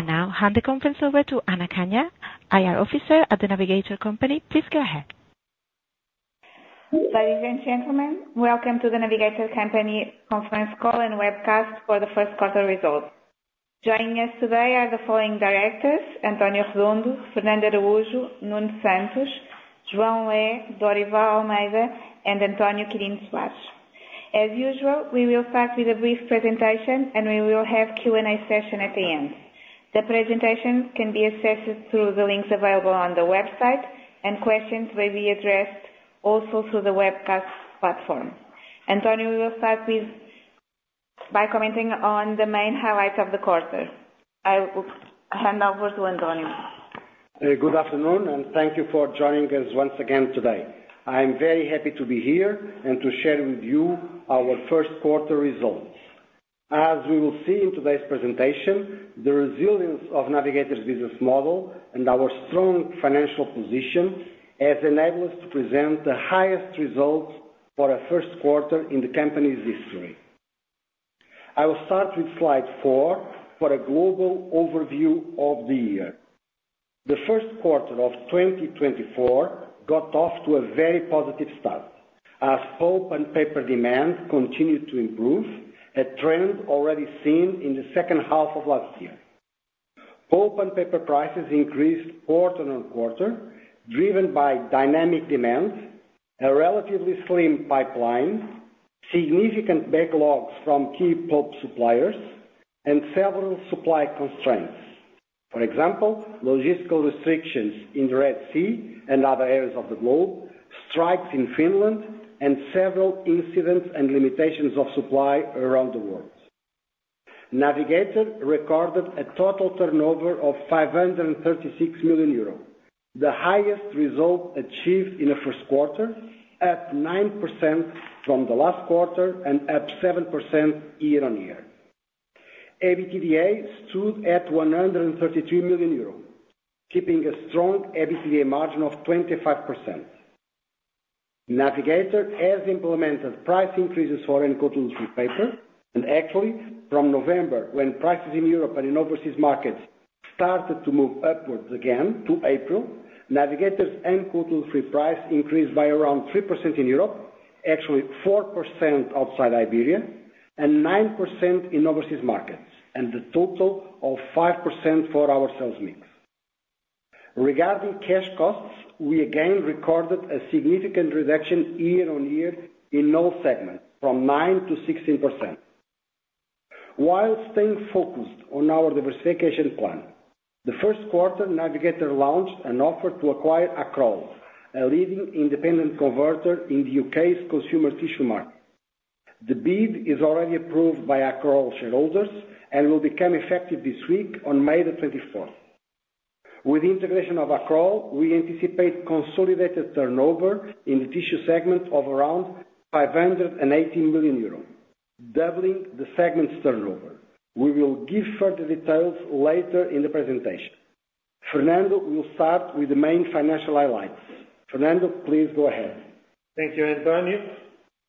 I now hand the conference over to Ana Canha, IR Officer at The Navigator Company. Please go ahead. Ladies and gentlemen, welcome to The Navigator Company Conference Call and Webcast for the First Quarter Results. Joining us today are the following directors: António Redondo, Fernando Araújo, Nuno Santos, João Lé, Dorival Almeida, and António Quirino Soares. As usual, we will start with a brief presentation, and we will have Q&A session at the end. The presentation can be accessed through the links available on the website, and questions may be addressed also through the webcast platform. António will start with, by commenting on the main highlights of the quarter. I will hand over to António. Good afternoon, and thank you for joining us once again today. I'm very happy to be here and to share with you our first quarter results. As we will see in today's presentation, the resilience of Navigator's business model and our strong financial position has enabled us to present the highest results for a first quarter in the company's history. I will start with slide four for a global overview of the year. The first quarter of 2024 got off to a very positive start, as pulp and paper demand continued to improve, a trend already seen in the second half of last year. Pulp and paper prices increased quarter-on-quarter, driven by dynamic demand, a relatively slim pipeline, significant backlogs from key pulp suppliers, and several supply constraints. For example, logistical restrictions in the Red Sea and other areas of the globe, strikes in Finland, and several incidents and limitations of supply around the world. Navigator recorded a total turnover of 536 million euro, the highest result achieved in the first quarter, up 9% from the last quarter and up 7% year-on-year. EBITDA stood at 133 million euros, keeping a strong EBITDA margin of 25%. Navigator has implemented price increases for uncoated woodfree paper, and actually, from November, when prices in Europe and in overseas markets started to move upwards again to April, Navigator's uncoated woodfree price increased by around 3% in Europe, actually 4% outside Iberia, and 9% in overseas markets, and a total of 5% for our sales mix. Regarding cash costs, we again recorded a significant reduction year-on-year in all segments from 9%-16%. While staying focused on our diversification plan, in the first quarter, Navigator launched an offer to acquire Accrol, a leading independent converter in the U.K.'s consumer tissue market. The bid is already approved by Accrol shareholders and will become effective this week on May the 24th. With the integration of Accrol, we anticipate consolidated turnover in the tissue segment of around 580 million euros, doubling the segment's turnover. We will give further details later in the presentation. Fernando will start with the main financial highlights. Fernando, please go ahead. Thank you, António.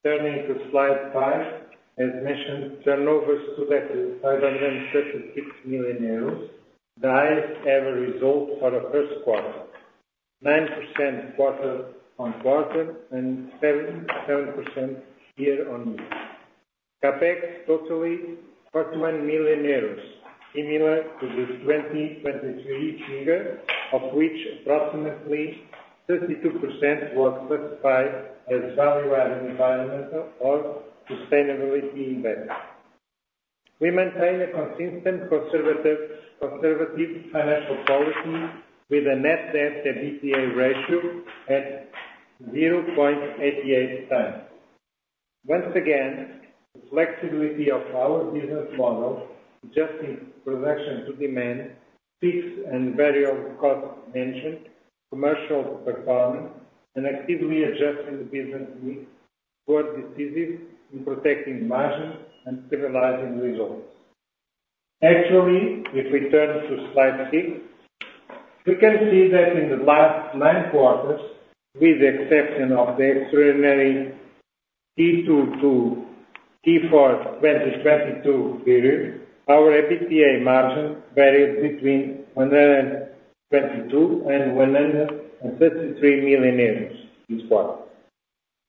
Turning to slide five, as mentioned, turnovers stood at 536 million euros, the highest ever result for the first quarter. 9% quarter-on-quarter and 7% year-on-year. CapEx totaling 41 million euros, similar to the 2023 figure, of which approximately 32% was classified as value add environmental or sustainability investment. We maintain a consistent, conservative, conservative financial policy with a net debt to EBITDA ratio at 0.88x. Once again, the flexibility of our business model, adjusting production to demand, fixed and variable cost mentioned, commercial performance, and actively adjusting the business mix were decisive in protecting margin and stabilizing results. Actually, if we turn to slide six, we can see that in the last nine quarters, with the exception of the extraordinary Q2 to Q4 2022 period, our EBITDA margin varied between 122 million and 133 million euros each quarter.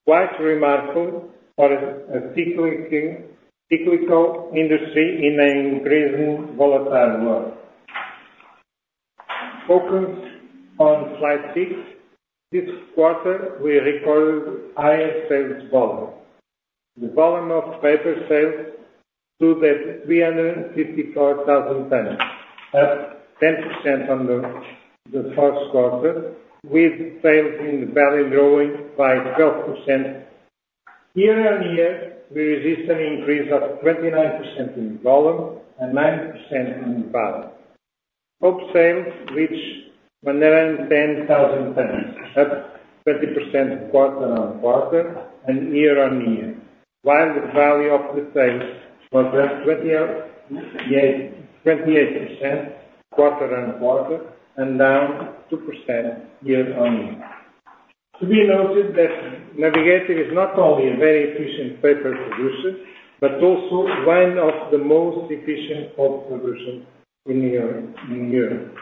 Quite remarkable for a cyclical industry in an increasingly volatile world. Focusing on slide six, this quarter, we recorded higher sales volume. The volume of paper sales stood at 354,000 tons, up 10% on the fourth quarter, with sales in the valley growing by 12%. Year-on-year, we registered an increase of 29% in volume and 9% in value. Pulp sales reached 110,000 tons, up 20% quarter-on-quarter and year-on-year, while the value of the sales was up 28%, 28% quarter-on-quarter and down 2% year-on-year. To be noted that Navigator is not only a very efficient paper solution, but also one of the most efficient pulp solution in Europe, in Europe.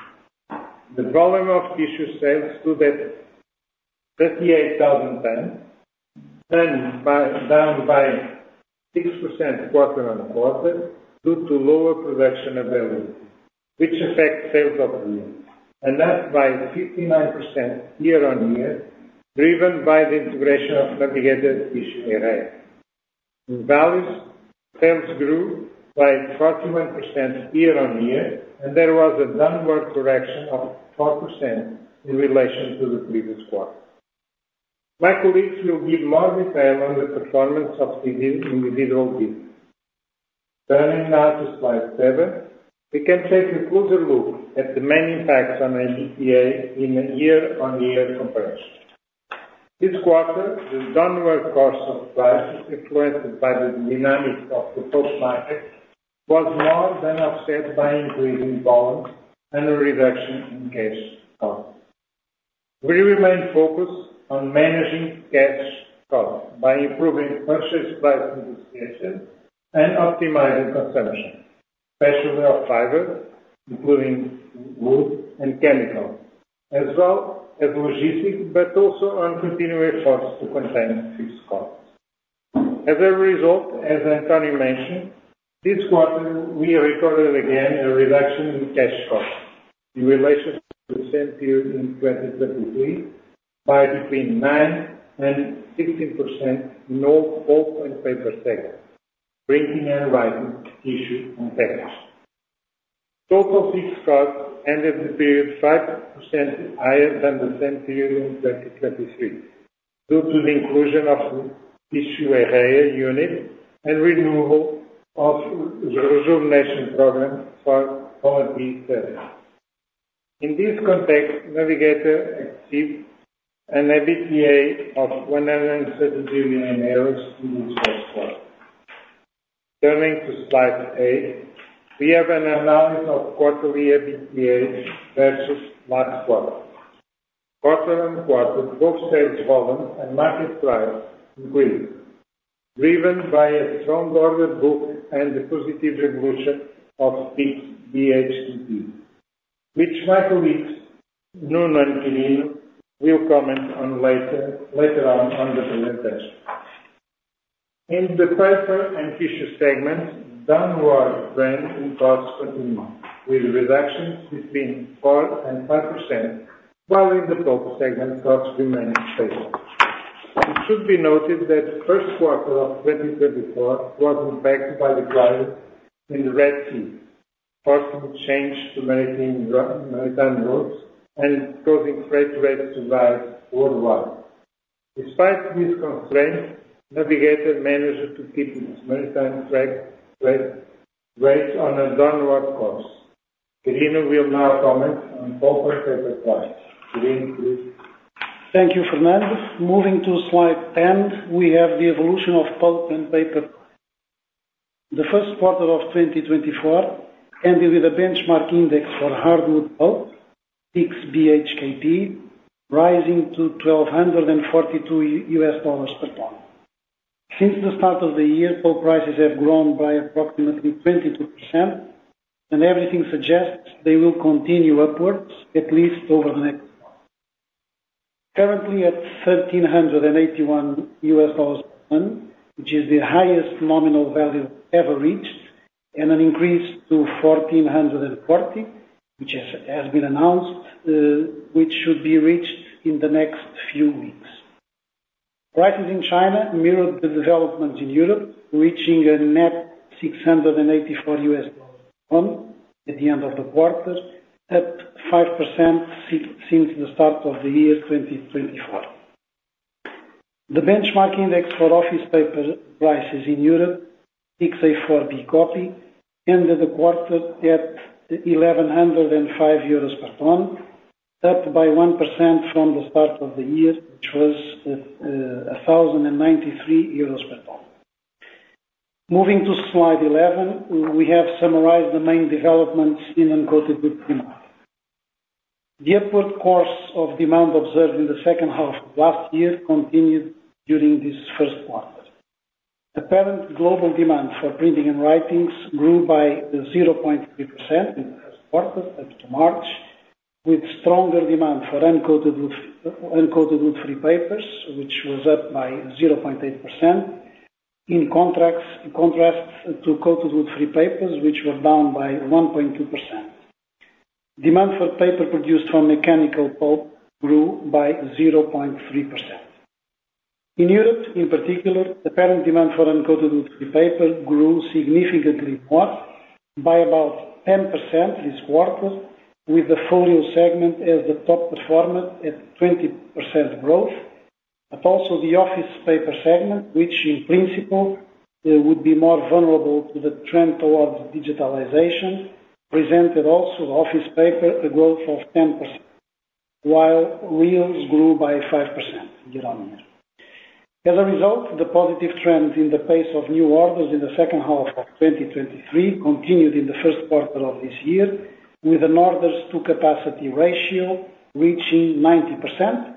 The volume of tissue sales stood at 38,000 tons, down by 6% quarter-on-quarter, due to lower production availability, which affect sales up to you, and down by 59% year-on-year, driven by the integration of Navigator Tissue Arabia. In values, sales grew by 41% year-on-year, and there was a downward correction of 4% in relation to the previous quarter. My colleagues will give more detail on the performance of the individual business. Turning now to slide seven, we can take a closer look at the main impacts on our EBITDA in a year-on-year comparison. This quarter, the downward cost of prices, influenced by the dynamics of the pulp market, was more than offset by increasing volume and a reduction in cash costs. We remain focused on managing cash costs by improving purchase price negotiation and optimizing consumption, especially of fiber, including wood and chemical, as well as logistics, but also on continuing efforts to contain fixed costs. As a result, as António mentioned, this quarter we recorded again a reduction in cash cost in relation to the same period in 2023, by between 9% and 16% in all pulp and paper segments, printing and writing, tissue, and textile. Total fixed costs ended the period 5% higher than the same period in 2023, due to the inclusion of Tissue Arabia unit and renewal of the rejuvenation program for Pulp Setúbal. In this context, Navigator achieved an EBITDA of 130 million euros in the first quarter. Turning to slide eight, we have an analysis of quarterly EBITDA versus last quarter. Quarter-on-quarter, both sales volume and market price increased, driven by a strong order book and the positive evolution of PIX BHKP, which my colleague, Nuno and Quirino, will comment on later on in the presentation. In the paper and tissue segments, downward trend in costs continue, with reductions between 4% and 5%, while in the pulp segment, costs remained stable. It should be noted that first quarter of 2024 was impacted by the crisis in the Red Sea, causing change to maritime routes and causing freight rates to rise worldwide. Despite this constraint, Navigator managed to keep its maritime freight rates on a downward course. Quirino will now comment on pulp and paper price. Quirino, please. Thank you, Fernando. Moving to slide 10, we have the evolution of pulp and paper. The first quarter of 2024 ended with a benchmark index for hardwood pulp, PIX BHKP, rising to $1,242 per ton. Since the start of the year, pulp prices have grown by approximately 22%, and everything suggests they will continue upwards, at least over the next quarter. Currently at $1,381 per ton, which is the highest nominal value ever reached, and an increase to $1,440, which has been announced, which should be reached in the next few weeks. Prices in China mirrored the developments in Europe, reaching a net $684 per ton at the end of the quarter, at 5% since the start of the year 2024. The benchmark index for office paper prices in Europe, PIX A4 B-copy, ended the quarter at 1,105 euros per ton, up by 1% from the start of the year, which was a 1,093 euros per ton. Moving to slide 11, we have summarized the main developments in uncoated wood demand. The upward course of demand observed in the second half of last year continued during this first quarter. Apparent global demand for printing and writing grew by 0.3% in this quarter up to March, with stronger demand for uncoated wood, uncoated wood-free papers, which was up by 0.8%. In contrast to coated wood-free papers, which were down by 1.2%. Demand for paper produced from mechanical pulp grew by 0.3%. In Europe, in particular, the paper demand for uncoated woodfree paper grew significantly more, by about 10% this quarter, with the folio segment as the top performer at 20% growth. But also the office paper segment, which in principle, would be more vulnerable to the trend towards digitalization, presented also, office paper, a growth of 10%, while reels grew by 5% year on year. As a result, the positive trends in the pace of new orders in the second half of 2023 continued in the first quarter of this year, with an orders to capacity ratio reaching 90%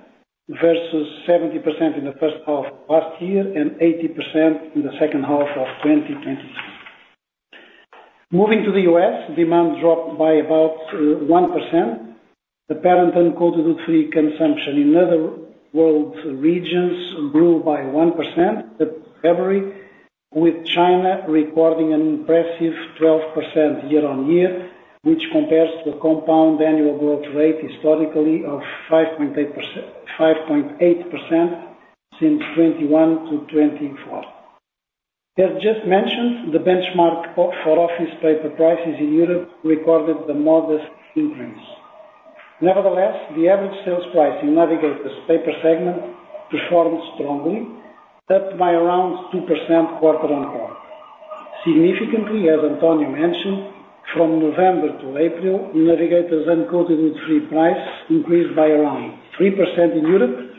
versus 70% in the first half of last year, and 80% in the second half of 2023. Moving to the U.S., demand dropped by about 1%. The pulp and coated woodfree consumption in other world regions grew by 1% in February, with China recording an impressive 12% year-on-year, which compares to a compound annual growth rate historically of 5.8%, 5.8% since 2021 to 2024. As just mentioned, the benchmark for office paper prices in Europe recorded the modest increase. Nevertheless, the average sales price in Navigator's paper segment performed strongly, up by around 2% quarter-on-quarter. Significantly, as António mentioned, from November to April, Navigator's uncoated woodfree price increased by around 3% in Europe,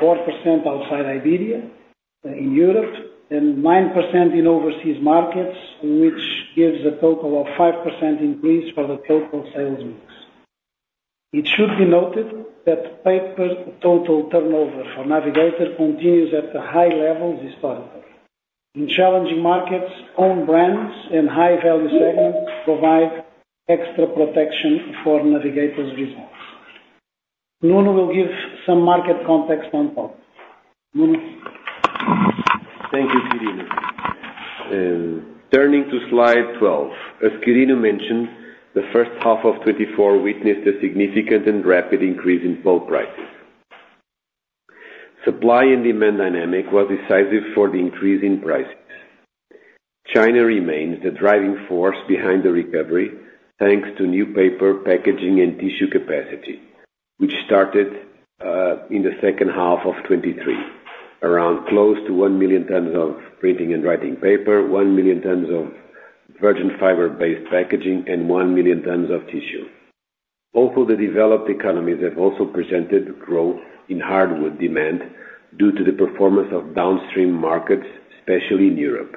4% outside Iberia, in Europe, and 9% in overseas markets, which gives a total of 5% increase for the total sales mix. It should be noted that paper total turnover for Navigator continues at a high level historically. In challenging markets, own brands and high value segments provide extra protection for Navigator's results. Nuno will give some market context on top. Nuno? Thank you, Quirino. Turning to slide 12. As Quirino mentioned, the first half of 2024 witnessed a significant and rapid increase in pulp prices. Supply and demand dynamic was decisive for the increase in prices. China remains the driving force behind the recovery, thanks to new paper, packaging, and tissue capacity, which started in the second half of 2023, around close to 1 million tons of printing and writing paper, 1 million tons of virgin fiber-based packaging, and 1 million tons of tissue. Both of the developed economies have also presented growth in hardwood demand due to the performance of downstream markets, especially in Europe,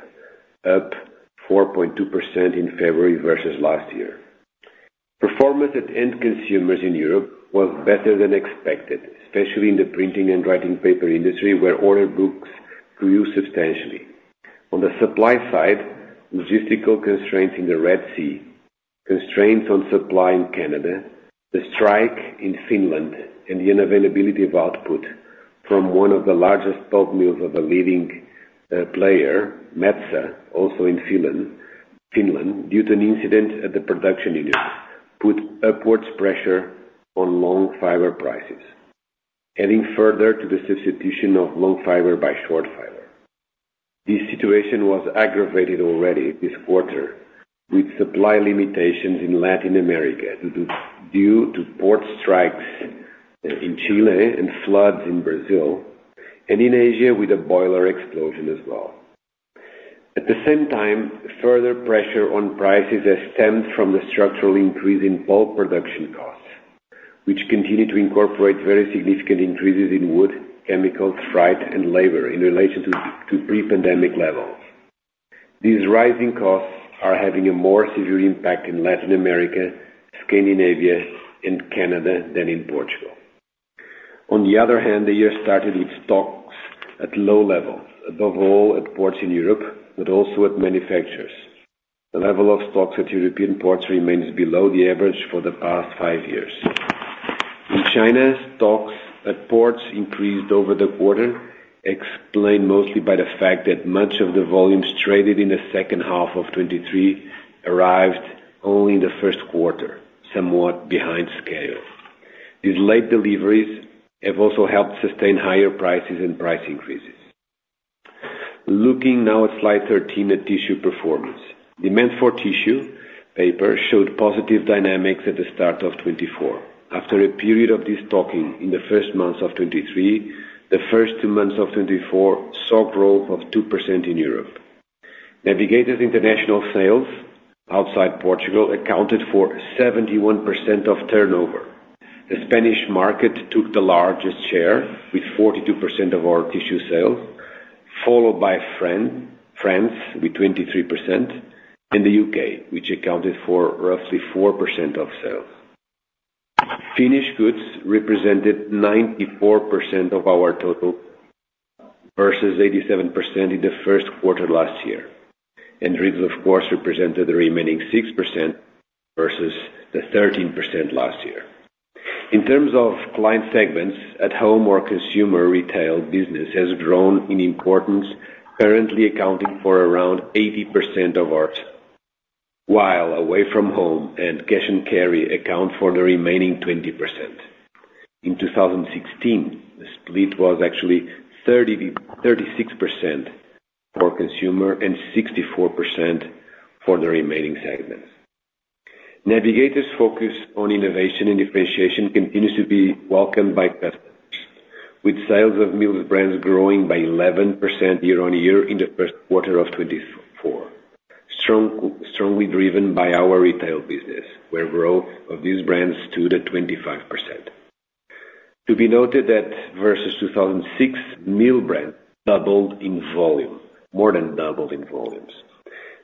up 4.2% in February versus last year. Performance at end consumers in Europe was better than expected, especially in the printing and writing paper industry, where order books grew substantially. On the supply side, logistical constraints in the Red Sea, constraints on supply in Canada, the strike in Finland, and the unavailability of output from one of the largest pulp mills of a leading player, Metsä, also in Finland, due to an incident at the production unit, put upwards pressure on long fiber prices, adding further to the substitution of long fiber by short fiber. This situation was aggravated already this quarter with supply limitations in Latin America, due to port strikes in Chile and floods in Brazil, and in Asia with a boiler explosion as well. At the same time, further pressure on prices has stemmed from the structural increase in pulp production costs, which continue to incorporate very significant increases in wood, chemicals, freight, and labor in relation to pre-pandemic levels. These rising costs are having a more severe impact in Latin America, Scandinavia, and Canada than in Portugal. On the other hand, the year started with stocks at low level, above all at ports in Europe, but also at manufacturers. The level of stocks at European ports remains below the average for the past 5 years. In China, stocks at ports increased over the quarter, explained mostly by the fact that much of the volumes traded in the second half of 2023 arrived only in the first quarter, somewhat behind schedule. These late deliveries have also helped sustain higher prices and price increases. Looking now at slide 13 at tissue performance. Demand for tissue paper showed positive dynamics at the start of 2024. After a period of destocking in the first months of 2023, the first two months of 2024 saw growth of 2% in Europe. Navigator's international sales outside Portugal accounted for 71% of turnover. The Spanish market took the largest share, with 42% of our tissue sales, followed by France with 23%, and the U.K., which accounted for roughly 4% of sales. Finished goods represented 94% of our total, versus 87% in the first quarter last year. And reels, of course, represented the remaining 6% versus the 13% last year. In terms of client segments, at-home or consumer retail business has grown in importance, currently accounting for around 80% of our, while away-from-home and cash-and-carry account for the remaining 20%. In 2016, the split was actually 36% for consumer and 64% for the remaining segments. Navigator's focus on innovation and differentiation continues to be welcomed by customers, with sales of mill brands growing by 11% year-on-year in the first quarter of 2024, strongly driven by our retail business, where growth of these brands stood at 25%. To be noted that versus 2006, mill brand doubled in volume, more than doubled in volumes.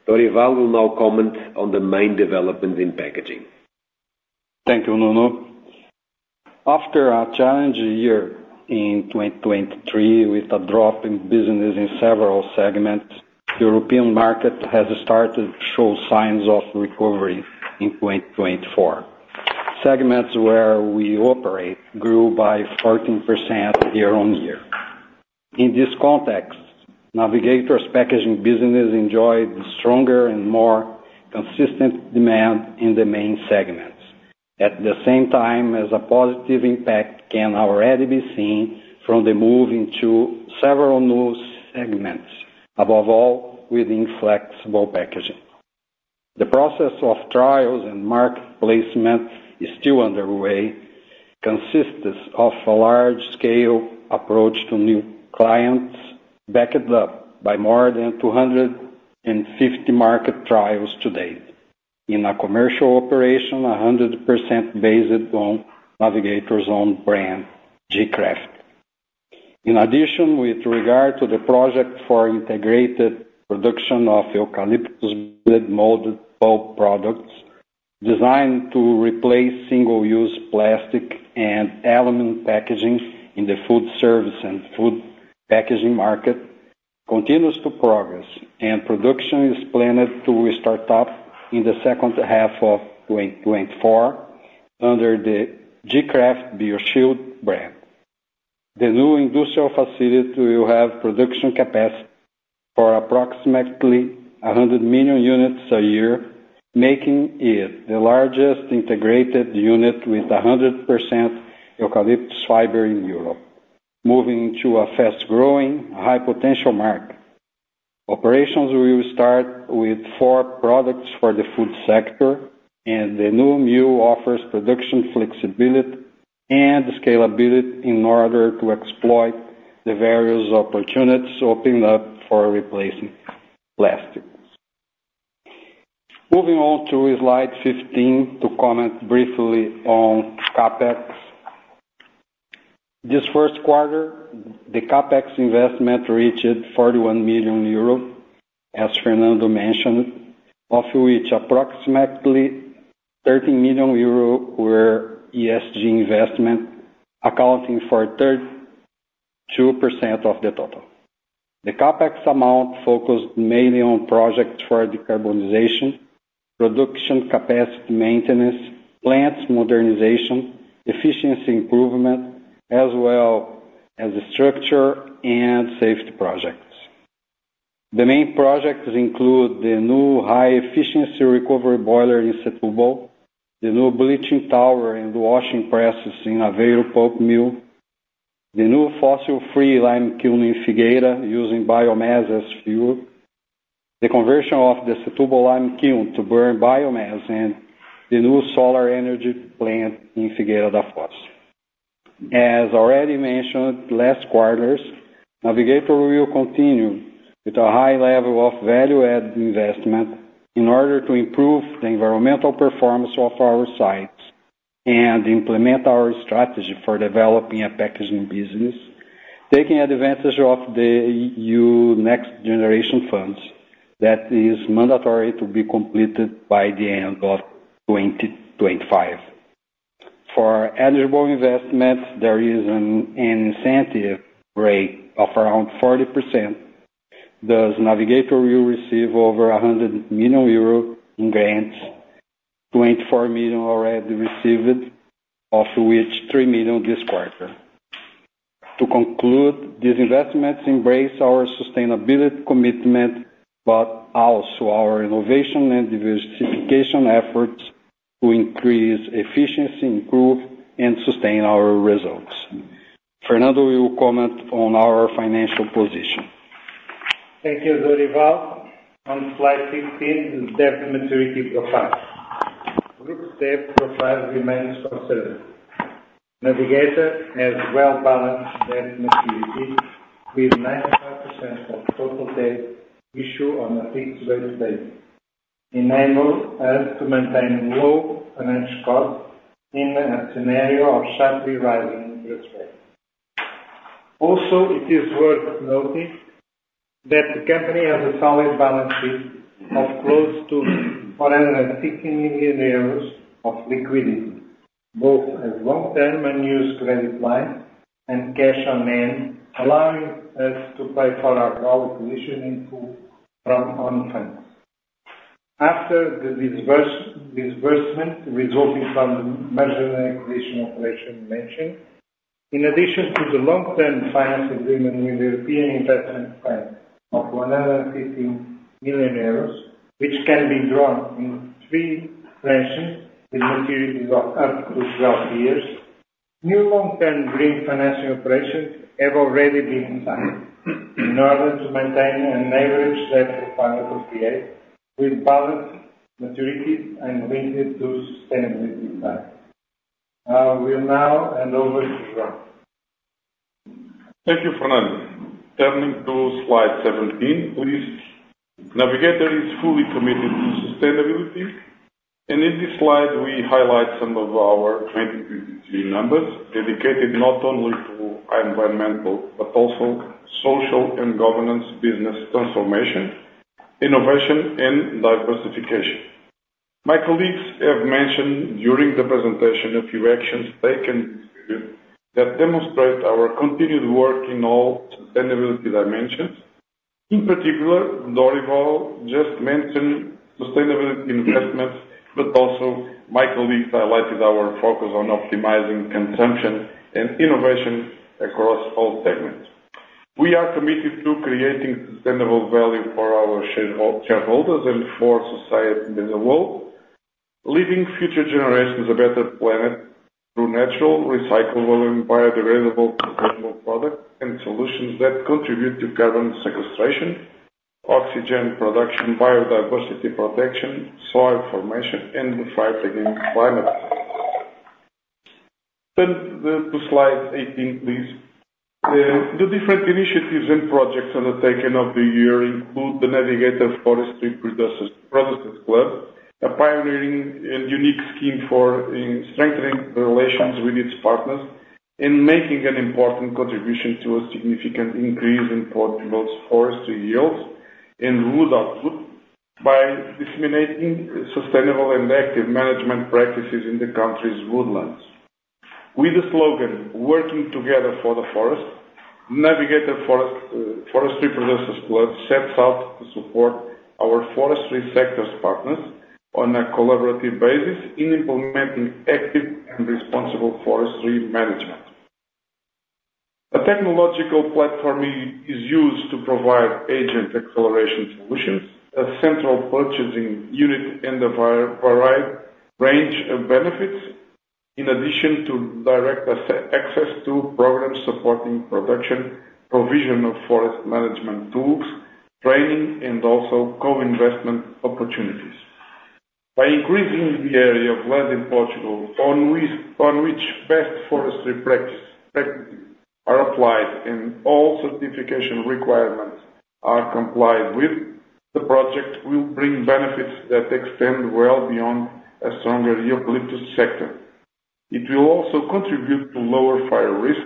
Dorival will now comment on the main developments in packaging. Thank you, Nuno. After a challenging year in 2023, with a drop in business in several segments, the European market has started to show signs of recovery in 2024. Segments where we operate grew by 13% year-on-year. In this context, Navigator's packaging business enjoyed stronger and more consistent demand in the main segments, at the same time as a positive impact can already be seen from the move into several new segments, above all, within flexible packaging. The process of trials and market placement is still underway, consists of a large-scale approach to new clients, backed up by more than 250 market trials to date, in a commercial operation, 100% based on Navigator's own brand, gKraft. In addition, with regard to the project for integrated production of eucalyptus molded pulp products, designed to replace single-use plastic and aluminum packaging in the food service and food packaging market, continues to progress, and production is planned to start up in the second half of 2024 under the gKraft BioShield brand. The new industrial facility will have production capacity for approximately 100 million units a year, making it the largest integrated unit with 100% eucalyptus fiber in Europe, moving into a fast-growing, high potential market. Operations will start with four products for the food sector, and the new mill offers production flexibility and scalability in order to exploit the various opportunities opening up for replacing plastic. Moving on to slide 15, to comment briefly on CapEx. This first quarter, the CapEx investment reached 41 million euro, as Fernando mentioned, of which approximately 13 million euro were ESG investment, accounting for 32% of the total. The CapEx amount focused mainly on projects for decarbonization, production, capacity maintenance, plants modernization, efficiency improvement, as well as the structure and safety projects. The main projects include the new high efficiency recovery boiler in Setúbal, the new bleaching tower and washing presses in Aveiro Pulp Mill, the new fossil-free lime kiln in Figueira, using biomass as fuel, the conversion of the Setúbal lime kiln to burn biomass, and the new solar energy plant in Figueira da Foz. As already mentioned last quarters, Navigator will continue with a high level of value-add investment in order to improve the environmental performance of our sites and implement our strategy for developing a packaging business, taking advantage of the EU next generation funds that is mandatory to be completed by the end of 2025. For eligible investments, there is an incentive rate of around 40%, thus Navigator will receive over 100 million euros in grants, 24 million already received, of which 3 million this quarter. To conclude, these investments embrace our sustainability commitment, but also our innovation and diversification efforts to increase efficiency, improve and sustain our results. Fernando will comment on our financial position. Thank you, Dorival. On slide 15, the debt maturity profile. Group debt profile remains conservative. Navigator has well balanced debt maturity, with 95% of total debt issued on a fixed rate basis, enable us to maintain low financial cost in a scenario of sharply rising interest rates. Also, it is worth noting that the company has a solid balance sheet of close to 450 million euros of liquidity, both as long-term unused credit line and cash on hand, allowing us to pay for our raw pulp position from own funds. After the disbursement resulting from the merger and acquisition operation mentioned, in addition to the long-term financing agreement with the European Investment Bank of 150 million euros, which can be drawn in three tranches with maturities of up to 12 years, new long-term green financing operations have already been signed in order to maintain an average debt profile to create with balanced maturities and linked to sustainability goals. I will now hand over to João. Thank you, Fernando. Turning to slide 17, please. Navigator is fully committed to sustainability, and in this slide, we highlight some of our 2023 numbers, dedicated not only to environmental, but also social and governance, business transformation, innovation, and diversification. My colleagues have mentioned during the presentation a few actions taken that demonstrate our continued work in all sustainability dimensions. In particular, Dorival just mentioned sustainable investments, but also my colleague highlighted our focus on optimizing consumption and innovation across all segments. We are committed to creating sustainable value for our shareholders and for society as a whole, leaving future generations a better planet through natural, recyclable, and biodegradable professional products and solutions that contribute to carbon sequestration, oxygen production, biodiversity protection, soil formation, and the fight against climate. Turn to slide 18, please. The different initiatives and projects undertaken of the year include the Navigator Forest Producers Club, a pioneering and unique scheme for, in strengthening the relations with its partners and making an important contribution to a significant increase in Portugal's forestry yields and wood output by disseminating sustainable and active management practices in the country's woodlands. With the slogan, "Working together for the forest", Navigator Forestry Producers Club sets out to support our forestry sector's partners on a collaborative basis in implementing active and responsible forestry management. A technological platform is used to provide agent acceleration solutions, a central purchasing unit, and a wide range of benefits, in addition to direct access to programs supporting production, provision of forest management tools, training, and also co-investment opportunities. By increasing the area of land in Portugal on which best forestry practices are applied and all certification requirements are complied with, the project will bring benefits that extend well beyond a stronger eucalyptus sector. It will also contribute to lower fire risk,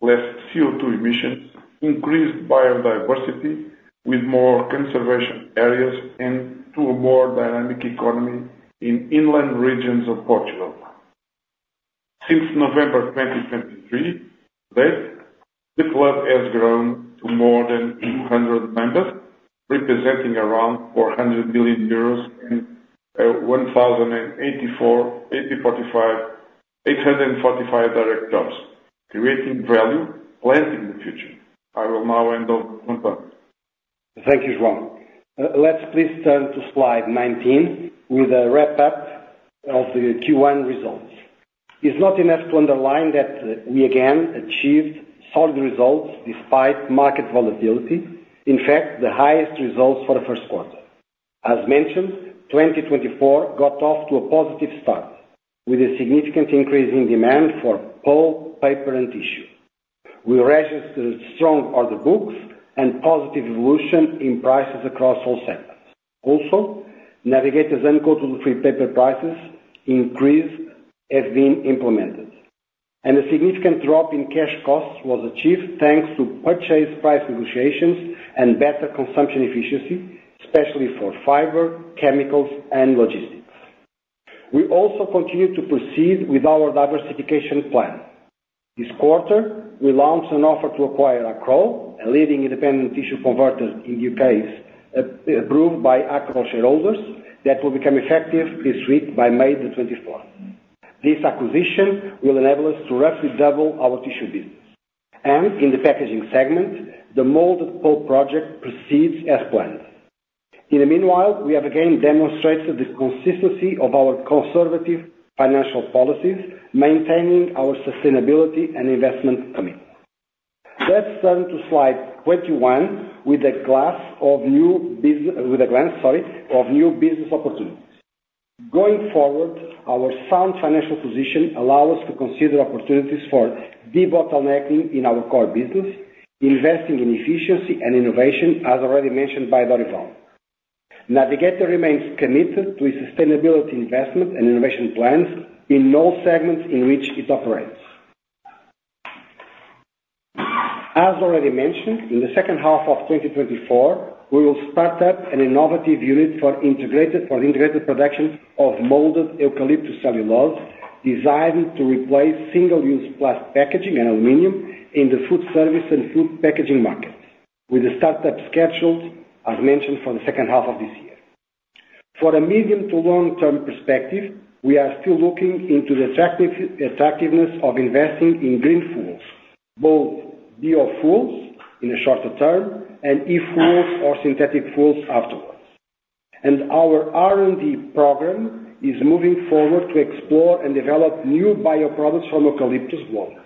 less CO2 emissions, increased biodiversity with more conservation areas, and to a more dynamic economy in inland regions of Portugal. Since November 2023, the club has grown to more than 200 members, representing around EUR 400 billion and 845 direct jobs, creating value planned in the future. I will now hand over to Antonio. Thank you, João. Let's please turn to slide 19 with a wrap-up of the Q1 results. It's not enough to underline that we again achieved solid results despite market volatility. In fact, the highest results for the first quarter. As mentioned, 2024 got off to a positive start, with a significant increase in demand for pulp, paper, and tissue. We registered strong order books and positive evolution in prices across all segments. Also, Navigator's coated woodfree paper prices increase has been implemented, and a significant drop in cash costs was achieved, thanks to purchase price negotiations and better consumption efficiency, especially for fiber, chemicals, and logistics. We also continue to proceed with our diversification plan. This quarter, we launched an offer to acquire Accrol, a leading independent tissue converter in the UK, approved by Accrol shareholders, that will become effective this week by May 24. This acquisition will enable us to roughly double our tissue business. In the packaging segment, the molded pulp project proceeds as planned. In the meanwhile, we have again demonstrated the consistency of our conservative financial policies, maintaining our sustainability and investment commitment. Let's turn to slide 21 with a glass of new business—with a glance, sorry, of new business opportunities. Going forward, our sound financial position allow us to consider opportunities for debottlenecking in our core business, investing in efficiency and innovation, as already mentioned by Dorival. Navigator remains committed to a sustainability investment and innovation plans in all segments in which it operates. As already mentioned, in the second half of 2024, we will start up an innovative unit for integrated production of molded eucalyptus cellulose, designed to replace single-use plastic packaging and aluminum in the food service and food packaging markets, with a startup scheduled, as mentioned, for the second half of this year. For a medium to long-term perspective, we are still looking into the attractiveness of investing in green fuels, both biofuels in the shorter term and e-fuels or synthetic fuels afterwards. Our R&D program is moving forward to explore and develop new bioproducts from eucalyptus woods,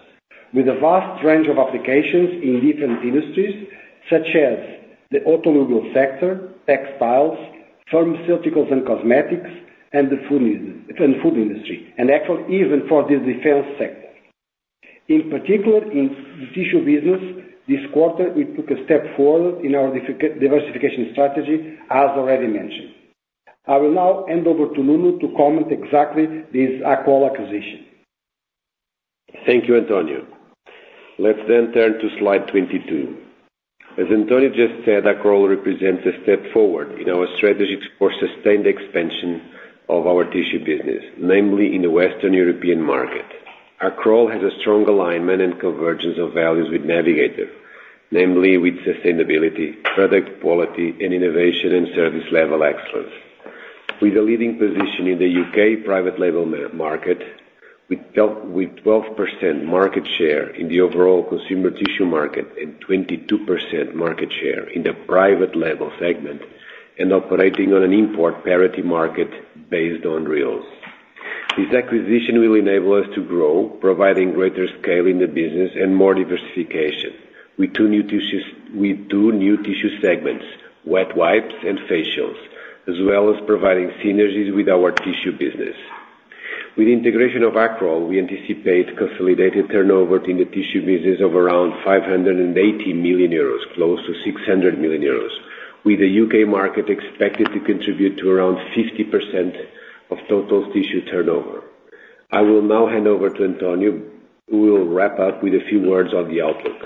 with a vast range of applications in different industries, such as the automotive sector, textiles, pharmaceuticals and cosmetics, and the food industry, and actually even for the defense sector. In particular, in tissue business, this quarter, we took a step forward in our diversification strategy, as already mentioned. I will now hand over to Nuno to comment exactly this Accrol acquisition. Thank you, António. Let's then turn to slide 22. As António just said, Accrol represents a step forward in our strategy for sustained expansion of our tissue business, namely in the Western European market. Accrol has a strong alignment and convergence of values with Navigator, namely with sustainability, product quality, and innovation and service level excellence. With a leading position in the UK private label market, with 12% market share in the overall consumer tissue market and 22% market share in the private label segment, and operating on an import parity market based on reels. This acquisition will enable us to grow, providing greater scale in the business and more diversification. With two new tissues, with two new tissue segments, wet wipes and facials, as well as providing synergies with our tissue business. With the integration of Accrol, we anticipate consolidated turnover in the tissue business of around 580 million euros, close to 600 million euros, with the UK market expected to contribute to around 50% of total tissue turnover. I will now hand over to António, who will wrap up with a few words on the outlook.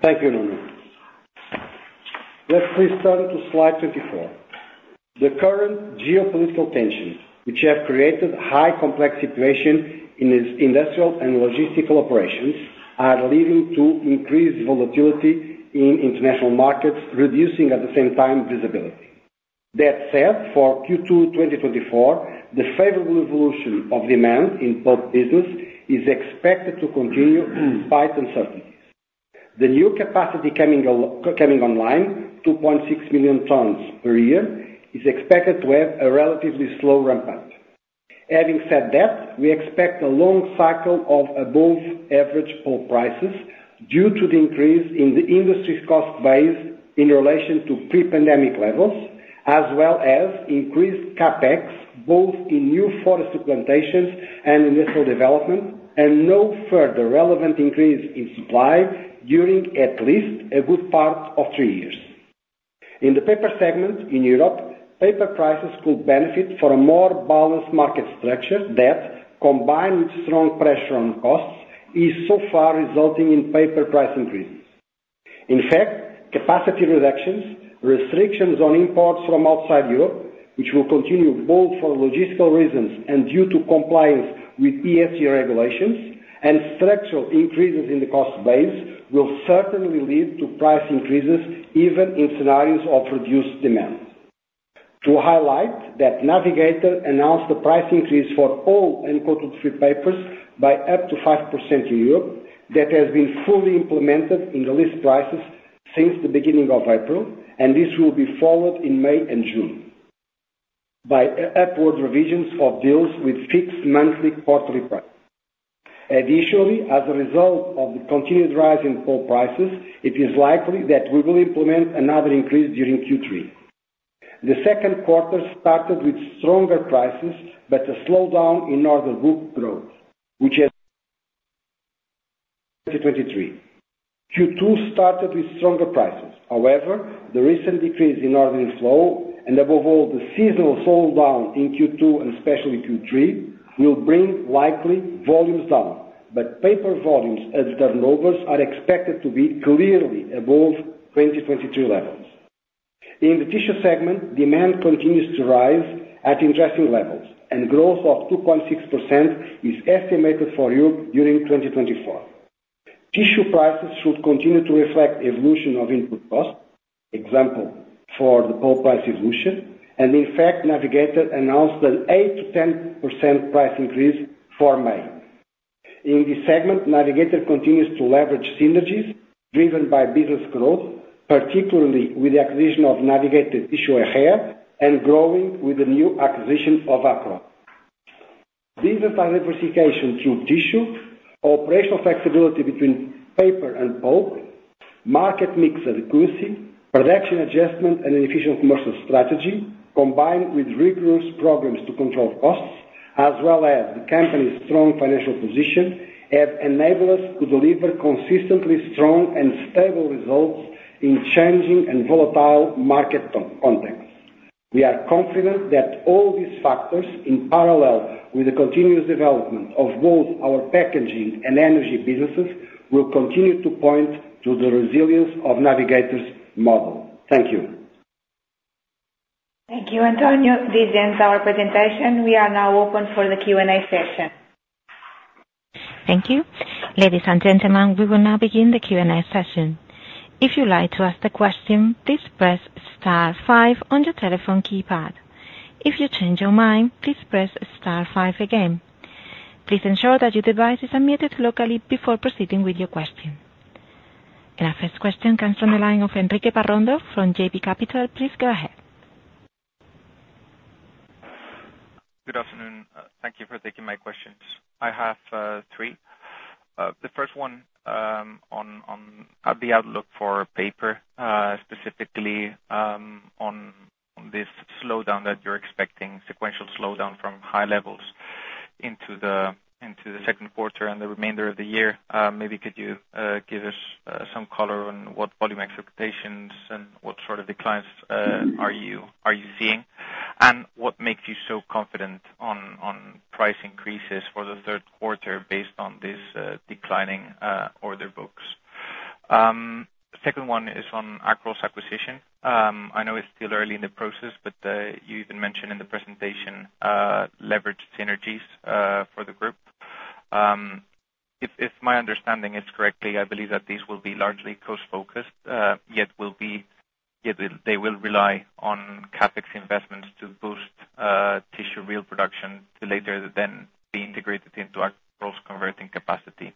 Thank you, Nuno. Let's please turn to slide 24. The current geopolitical tensions, which have created a highly complex situation in its industrial and logistical operations, are leading to increased volatility in international markets, reducing, at the same time, visibility. That said, for Q2 2024, the favorable evolution of demand in pulp business is expected to continue despite uncertainties. The new capacity coming online, 2.6 million tons per year, is expected to have a relatively slow ramp up. Having said that, we expect a long cycle of above average pulp prices due to the increase in the industry's cost base in relation to pre-pandemic levels, as well as increased CapEx, both in new forest plantations and industrial development, and no further relevant increase in supply during at least a good part of three years. In the paper segment in Europe, paper prices could benefit from a more balanced market structure that, combined with strong pressure on costs, is so far resulting in paper price increases. In fact, capacity reductions, restrictions on imports from outside Europe, which will continue both for logistical reasons and due to compliance with PEFC regulations, and structural increases in the cost base, will certainly lead to price increases, even in scenarios of reduced demand. To highlight that Navigator announced a price increase for all uncoated free papers by up to 5% in Europe, that has been fully implemented in the list prices since the beginning of April, and this will be followed in May and June by upward revisions of deals with fixed monthly quarterly price. Additionally, as a result of the continued rise in pulp prices, it is likely that we will implement another increase during Q3. The second quarter started with stronger prices, but a slowdown in order book growth, which has 2023. Q2 started with stronger prices. However, the recent decrease in ordering flow, and above all, the seasonal fall down in Q2, and especially Q3, will bring likely volumes down. But paper volumes as turnovers are expected to be clearly above 2023 levels. In the tissue segment, demand continues to rise at interesting levels, and growth of 2.6% is estimated for Europe during 2024. Tissue prices should continue to reflect evolution of input costs, example, for the pulp price evolution, and in fact, Navigator announced an 8%-10% price increase for May. In this segment, Navigator continues to leverage synergies driven by business growth, particularly with the acquisition of Navigator Tissue Arabia and growing with the new acquisition of Accrol. Business diversification through tissue, operational flexibility between paper and pulp, market mix adequacy, production adjustment, and an efficient commercial strategy, combined with rigorous programs to control costs, as well as the company's strong financial position, have enabled us to deliver consistently strong and stable results in changing and volatile market context. We are confident that all these factors, in parallel with the continuous development of both our packaging and energy businesses, will continue to point to the resilience of Navigator's model. Thank you. Thank you, António. This ends our presentation. We are now open for the Q&A session. Thank you. Ladies and gentlemen, we will now begin the Q&A session. If you'd like to ask a question, please press star five on your telephone keypad. If you change your mind, please press star five again. Please ensure that your device is unmuted locally before proceeding with your question. Our first question comes from the line of Enrique Parrondo from JB Capital Markets. Please go ahead. Good afternoon. Thank you for taking my questions. I have three. The first one, on the outlook for paper, specifically, on this slowdown that you're expecting, sequential slowdown from high levels into the second quarter and the remainder of the year. Maybe could you give us some color on what volume expectations and what sort of declines are you seeing? And what makes you so confident on price increases for the third quarter based on this declining order books? Second one is on Accrol acquisition. I know it's still early in the process, but you even mentioned in the presentation leveraged synergies for the group. If my understanding is correct, I believe that these will be largely cost-focused, yet they will rely on CapEx investments to boost tissue mill production to later then be integrated into our Accrol converting capacity.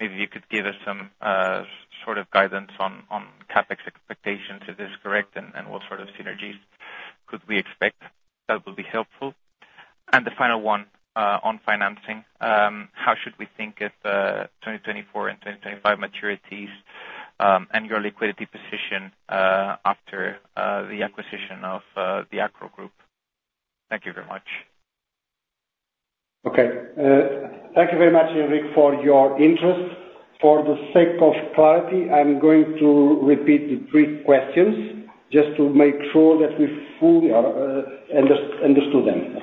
Maybe you could give us some sort of guidance on CapEx expectations, if this is correct, and what sort of synergies could we expect? That will be helpful. And the final one, on financing. How should we think of 2024 and 2025 maturities, and your liquidity position, after the acquisition of the Accrol Group? Thank you very much. Okay, thank you very much, Enrique, for your interest. For the sake of clarity, I'm going to repeat the three questions just to make sure that we fully understood them.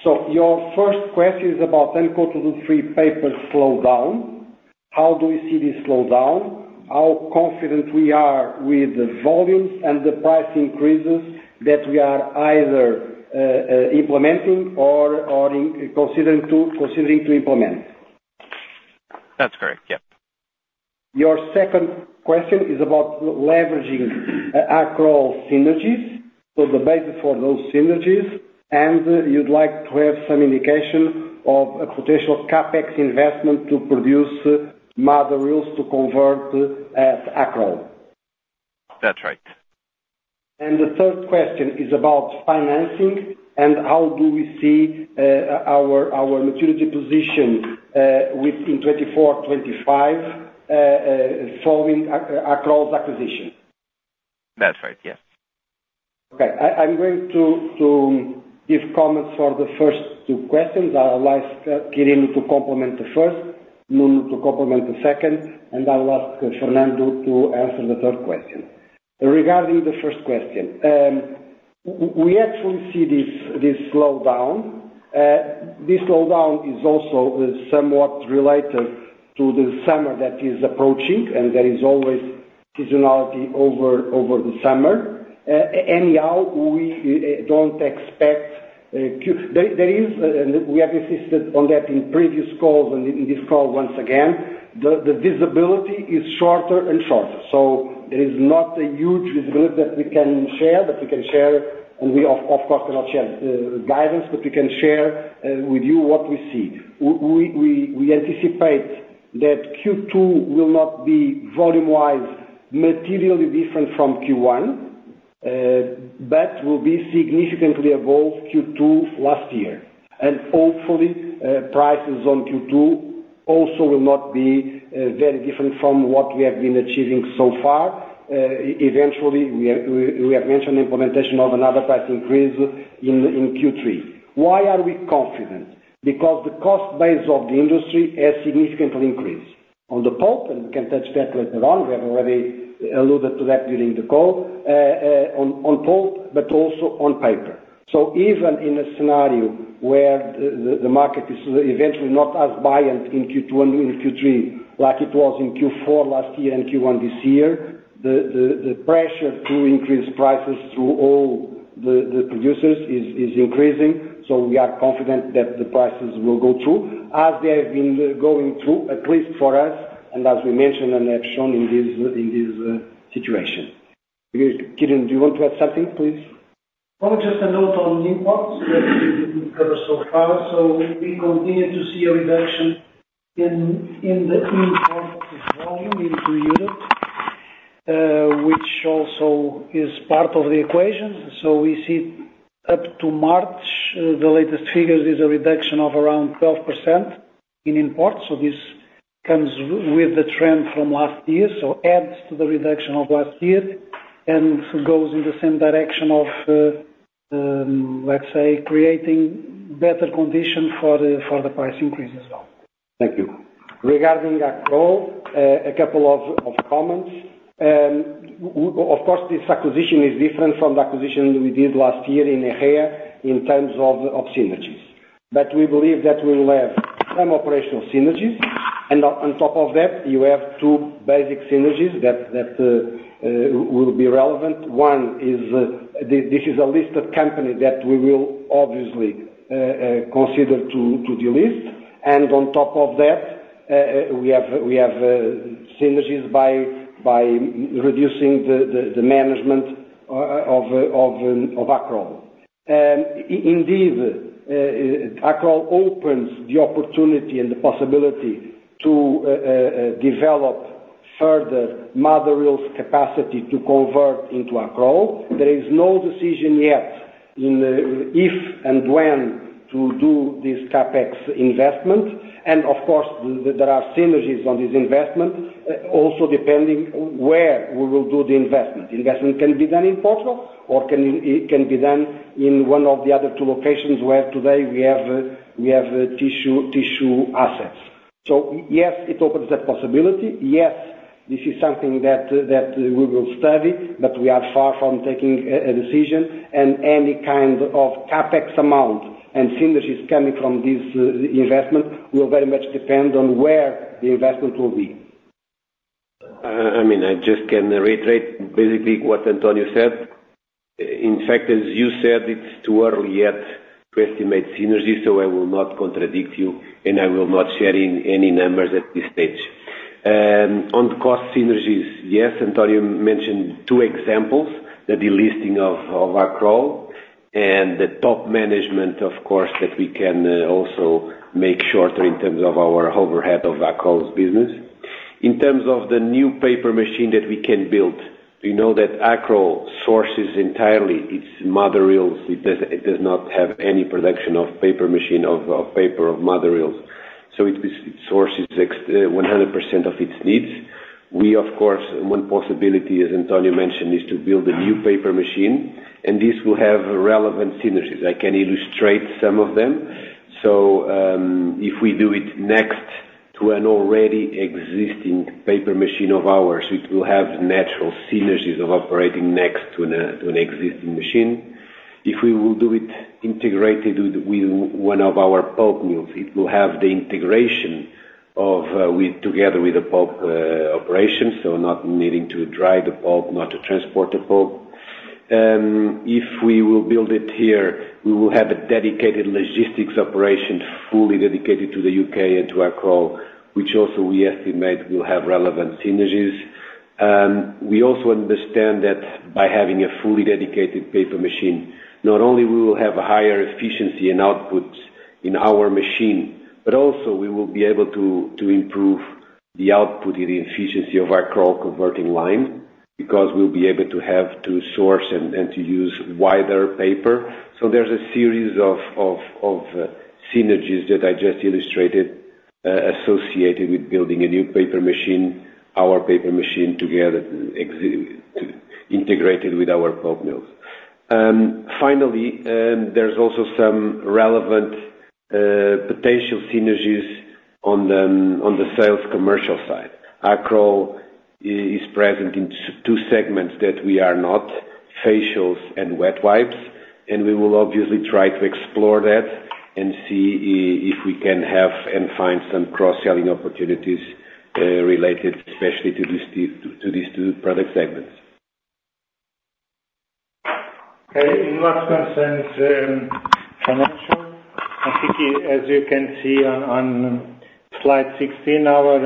Okay? So your first question is about uncoated woodfree paper slowdown. How do we see this slowdown? How confident we are with the volumes and the price increases that we are either implementing or considering to implement? That's correct. Yep. Your second question is about leveraging Accrol synergies, so the basis for those synergies, and you'd like to have some indication of a potential CapEx investment to produce mother reels to convert Accrol. That's right. The third question is about financing and how do we see our maturity position within 2024-2025 following Accrol acquisition? That's right. Yes. Okay. I'm going to give comments for the first two questions. I would like Quirino to complement the first, Nuno to complement the second, and I will ask Fernando to answer the third question. Regarding the first question, we actually see this slowdown. This slowdown is also somewhat related to the summer that is approaching, and there is always seasonality over the summer. Anyhow, we don't expect. There is, and we have insisted on that in previous calls and in this call once again, the visibility is shorter and shorter. So there is not a huge visibility that we can share, that we can share, and we of course cannot share guidance, but we can share with you what we see. We anticipate that Q2 will not be volume-wise, materially different from Q1, but will be significantly above Q2 last year. And hopefully, prices on Q2 also will not be very different from what we have been achieving so far. Eventually, we have mentioned the implementation of another price increase in Q3. Why are we confident? Because the cost base of the industry has significantly increased. On the pulp, and we can touch that later on, we have already alluded to that during the call, on pulp, but also on paper. So even in a scenario where the market is eventually not as buoyant in Q2 and in Q3 like it was in Q4 last year and Q1 this year, the pressure to increase prices through all the producers is increasing, so we are confident that the prices will go through as they have been going through, at least for us, and as we mentioned and have shown in this situation. Quirino, do you want to add something, please? Well, just a note on imports that we didn't cover so far. So we continue to see a reduction in the imports volume into the UK, which also is part of the equation. So we see up to March, the latest figures is a reduction of around 12% in imports. So this comes with the trend from last year, so adds to the reduction of last year, and goes in the same direction of, let's say, creating better conditions for the price increase as well. Thank you. Regarding Accrol, a couple of comments. Of course, this acquisition is different from the acquisition we did last year in Arabia, in terms of synergies. But we believe that we will have some operational synergies, and on top of that, you have two basic synergies that will be relevant. One is this is a listed company that we will obviously consider to delist, and on top of that, we have synergies by reducing the management of Accrol. Indeed, Accrol opens the opportunity and the possibility to develop.... further mother reels capacity to convert into Accrol. There is no decision yet in the if and when to do this CapEx investment. And of course, there are synergies on this investment, also depending where we will do the investment. Investment can be done in Portugal or it can be done in one of the other two locations, where today we have tissue assets. So yes, it opens that possibility. Yes, this is something that that we will study, but we are far from taking a decision, and any kind of CapEx amount and synergies coming from this investment will very much depend on where the investment will be. I mean, I just can reiterate basically what António said. In fact, as you said, it's too early yet to estimate synergies, so I will not contradict you, and I will not sharing any numbers at this stage. On cost synergies, yes, António mentioned two examples, the delisting of Accrol and the top management of course, that we can also make shorter in terms of our overhead of Accrol's business. In terms of the new paper machine that we can build, we know that Accrol sources entirely its mother reels. It does not have any production of paper machine, of paper, of mother reels. So it sources 100% of its needs. We of course, one possibility, as António mentioned, is to build a new paper machine, and this will have relevant synergies. I can illustrate some of them. So, if we do it next to an already existing paper machine of ours, it will have natural synergies of operating next to an, to an existing machine. If we will do it integrated with, with one of our pulp mills, it will have the integration of, with, together with the pulp, operation, so not needing to dry the pulp, not to transport the pulp. If we will build it here, we will have a dedicated logistics operation, fully dedicated to the U.K. and to Accrol, which also we estimate will have relevant synergies. We also understand that by having a fully dedicated paper machine, not only we will have a higher efficiency and outputs in our machine, but also we will be able to improve the output and the efficiency of our Accrol converting line, because we'll be able to source and to use wider paper. So there's a series of synergies that I just illustrated, associated with building a new paper machine, our paper machine together existing integrated with our pulp mills. Finally, there's also some relevant potential synergies on the sales commercial side. Accrol is present in two segments that we are not, facials and wet wipes, and we will obviously try to explore that and see if we can have and find some cross-selling opportunities, related especially to these two, to these two product segments. In what concerns financial, I think as you can see on slide 16, our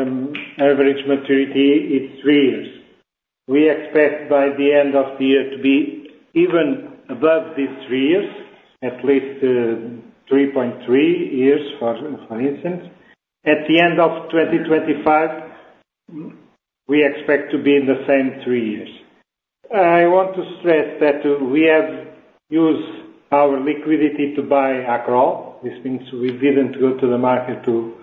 average maturity is three years. We expect by the end of the year to be even above these three years, at least, 3.3 years, for instance. At the end of 2025, we expect to be in the same three years. I want to stress that, we have used our liquidity to buy Accrol. This means we didn't go to the market to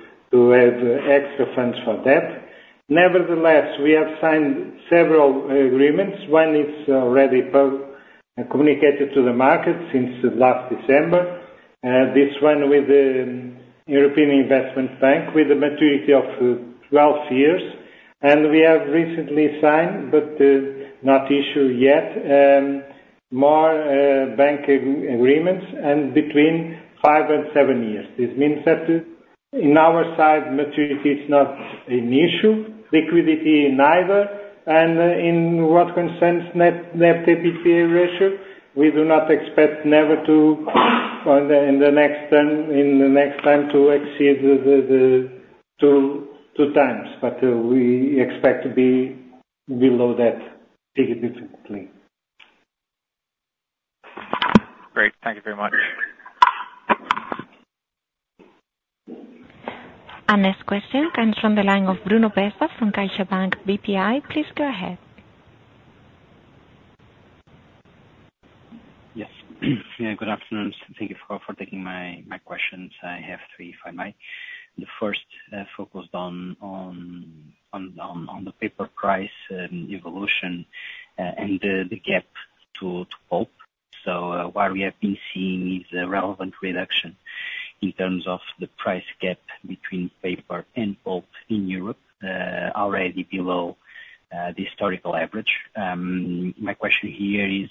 add extra funds for that. Nevertheless, we have signed several agreements. One is already publicly communicated to the market since last December, this one with the European Investment Bank, with a maturity of 12 years. And we have recently signed, but not issued yet, more bank agreements, and between five and seven years. This means that on our side, maturity is not an issue, liquidity neither, and in what concerns net debt to EBITDA ratio, we do not expect never to, in the next ten, in the next time to exceed the 2x, but we expect to be below that significantly. Great, thank you very much. Our next question comes from the line of Bruno Bessa from CaixaBank BPI. Please go ahead. Yes. Yeah, good afternoon. Thank you for taking my questions. I have three, if I may. The first focused on the paper price evolution and the gap to pulp. So, what we have been seeing is a relevant reduction in terms of the price gap between paper and pulp in Europe, already below the historical average. My question here is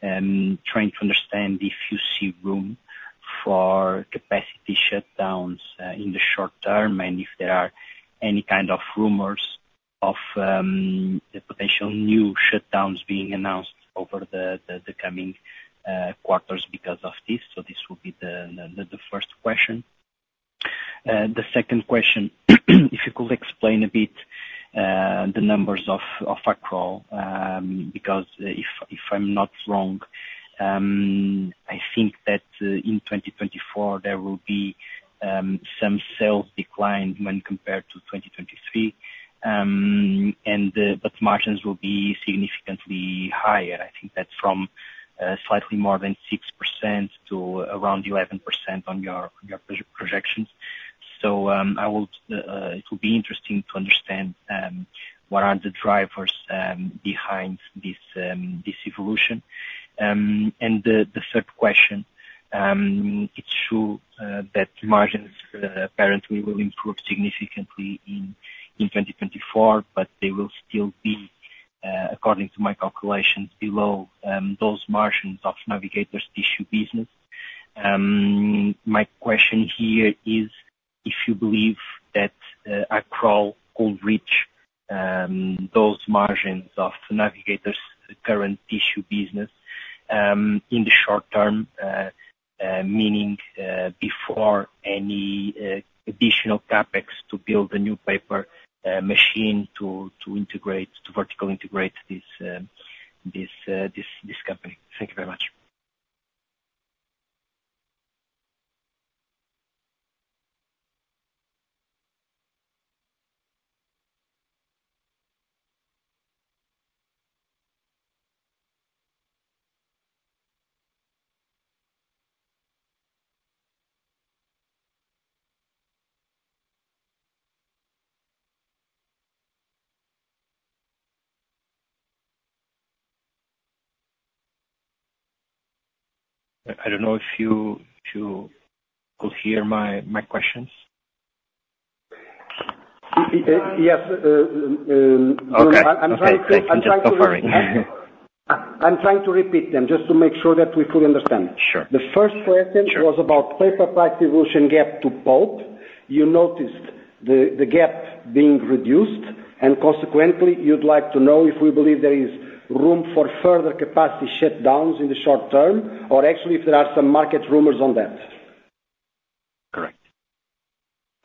trying to understand if you see room for capacity shutdowns in the short term, and if there are any kind of rumors of the potential new shutdowns being announced over the coming quarters because of this. So this will be the first question. The second question, if you could explain a bit the numbers of Accrol, because if I'm not wrong and i think that in 2024, there will be some sales decline when compared to 2023, and but margins will be significantly higher. I think that's from slightly more than 6% to around 11% on your projections. I would it would be interesting to understand what are the drivers behind this this evolution. And the the third question, it's true that margins apparently will improve significantly in in 2024, but they will still be according to my calculations, below those margins of Navigator's tissue business. My question here is, if you believe that Accrol could reach those margins of Navigator's current tissue business in the short term, meaning before any additional CapEx to build a new paper machine to integrate to vertically integrate this company. Thank you very much. I don't know if you could hear my questions? Yes, Okay. I'm trying to- Okay, great. So sorry. I'm trying to repeat them, just to make sure that we fully understand. Sure. The first question-Sure.-was about paper price evolution gap to pulp. You noticed the gap being reduced, and consequently, you'd like to know if we believe there is room for further capacity shutdowns in the short term, or actually, if there are some market rumors on that? Correct.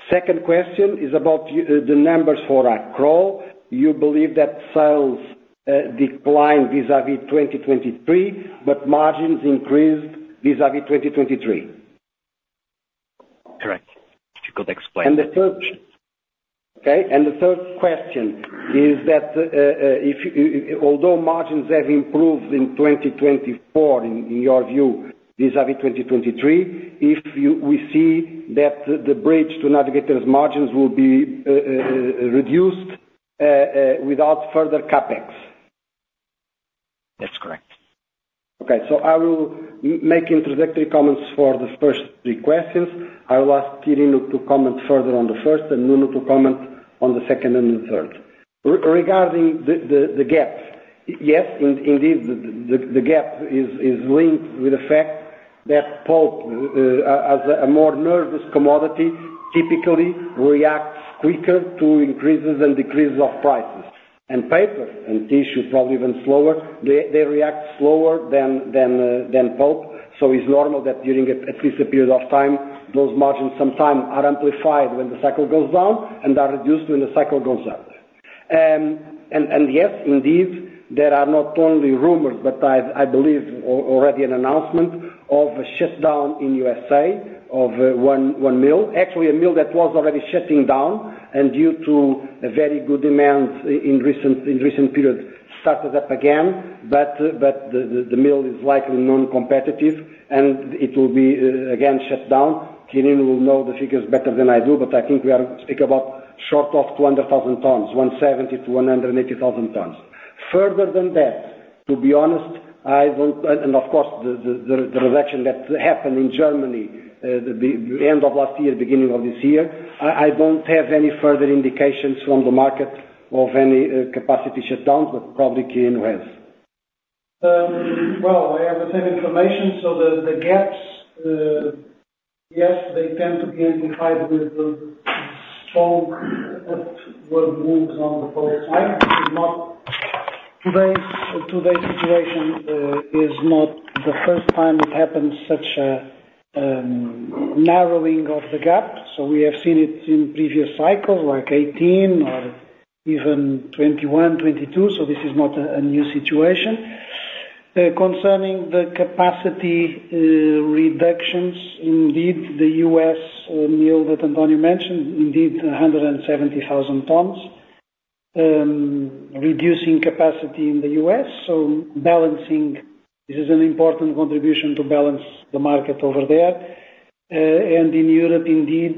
Second question is about the numbers for Accrol. You believe that sales declined vis-à-vis 2023, but margins increased vis-à-vis 2023. Correct. Difficult to explain. The third question is that, although margins have improved in 2024, in your view, vis-à-vis 2023, we see that the bridge to Navigator's margins will be reduced without further CapEx. That's correct. Okay. So I will make introductory comments for the first three questions. I will ask Quirino to comment further on the first, and Nuno to comment on the second and the third. Regarding the gap, yes, indeed, the gap is linked with the fact that pulp, as a more nervous commodity, typically reacts quicker to increases and decreases of prices. And paper and tissue, probably even slower, they react slower than pulp. So it's normal that during at least a period of time, those margins sometimes are amplified when the cycle goes down, and are reduced when the cycle goes up. And yes, indeed, there are not only rumors, but I believe already an announcement of a shutdown in USA of one mill. Actually, a mill that was already shutting down, and due to a very good demand in recent period, started up again. But the mill is likely non-competitive, and it will be again, shut down. Quirino will know the figures better than I do, but I think we are speak about short of 200,000 tons, 170,000-180,000 tons. Further than that, to be honest, I won't... And of course, the reduction that happened in Germany, the end of last year, beginning of this year, I don't have any further indications from the market of any capacity shutdowns, but probably Quirino has. Well, I have the same information. So the gaps, yes, they tend to be amplified with the strong world moves on the pulp. Today's situation is not the first time it happened, such a narrowing of the gap, so we have seen it in previous cycles, like 2018 or even 2021, 2022, so this is not a new situation. Concerning the capacity reductions, indeed, the U.S. mill that António mentioned, indeed, 170,000 tons, reducing capacity in the U.S. So balancing, this is an important contribution to balance the market over there. And in Europe, indeed,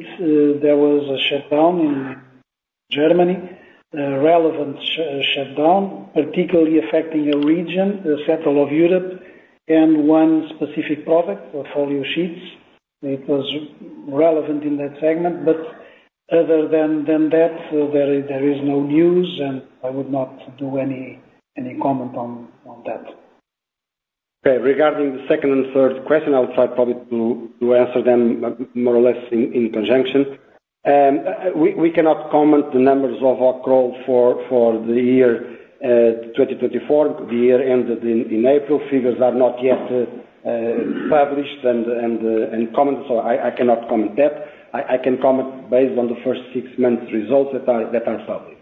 there was a shutdown in Germany, a relevant shutdown, particularly affecting a region, the central of Europe, and one specific product, folio sheets. It was relevant in that segment, but other than that, there is no news, and I would not do any comment on that. Okay, regarding the second and third question, I will try probably to answer them more or less in conjunction. We cannot comment the numbers of Accrol for the year 2024. The year ended in April. Figures are not yet published and commented, so I cannot comment that. I can comment based on the first 6 months results that are public.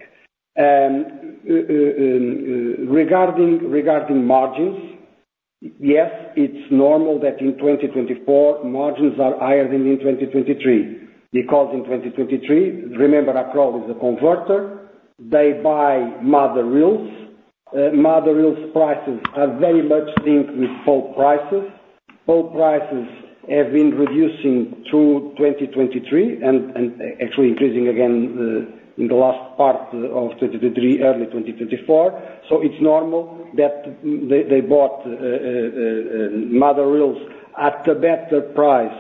Regarding margins, yes, it's normal that in 2024, margins are higher than in 2023, because in 2023, remember, Accrol is a converter. They buy mother reels. Mother reels prices are very much linked with pulp prices. Pulp prices have been reducing through 2023 and actually increasing again in the last part of 2023, early 2024. So it's normal that they bought mother reels at a better price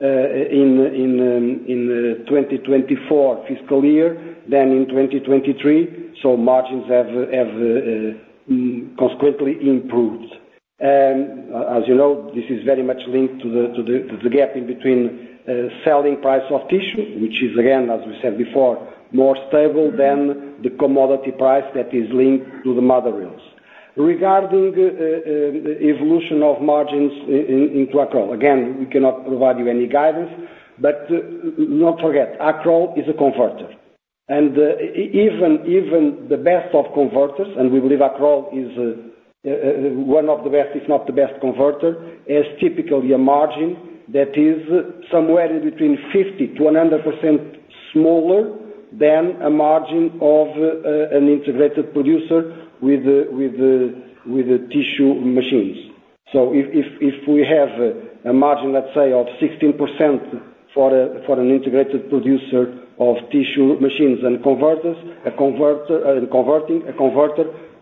in the 2024 fiscal year than in 2023, so margins have consequently improved. As you know, this is very much linked to the gap between selling price of tissue, which is again, as we said before, more stable than the commodity price that is linked to the mother reels. Regarding the evolution of margins in Accrol, again, we cannot provide you any guidance, but do not forget, Accrol is a converter. Even the best of converters, and we believe Accrol is one of the best, if not the best converter, has typically a margin that is somewhere in between 50%-100% smaller than a margin of an integrated producer with the tissue machines. So if we have a margin, let's say, of 16% for an integrated producer of tissue machines and converters, a converter in converting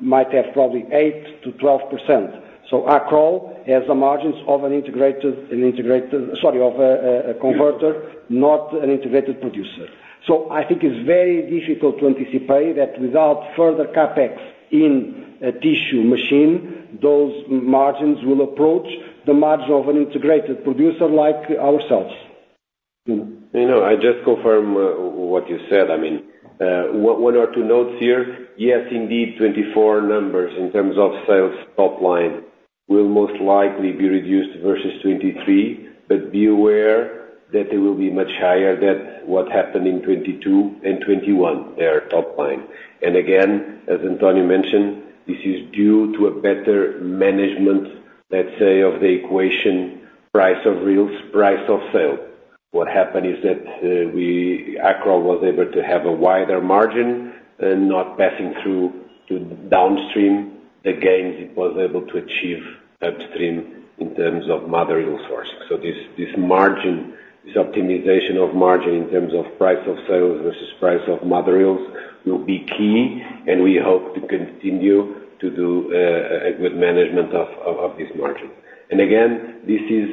might have probably 8%-12%. So Accrol has the margins of an integrated, sorry, of a converter, not an integrated producer. So I think it's very difficult to anticipate that without further CapEx in a tissue machine, those margins will approach the margin of an integrated producer like ourselves. You know, I just confirm what you said. I mean, one, one or two notes here. Yes, indeed, 2024 numbers in terms of sales top line will most likely be reduced versus 2023, but be aware that they will be much higher than what happened in 2022 and 2021, their top line. And again, as António mentioned, this is due to a better management, let's say, of the equation, price of reels, price of sale. What happened is that, we -- Accrol was able to have a wider margin and not passing through to downstream the gains it was able to achieve upstream in terms of mother reel sourcing. So this margin, this optimization of margin in terms of price of sales versus price of mother reels, will be key, and we hope to continue to do a good management of this margin. And again, this is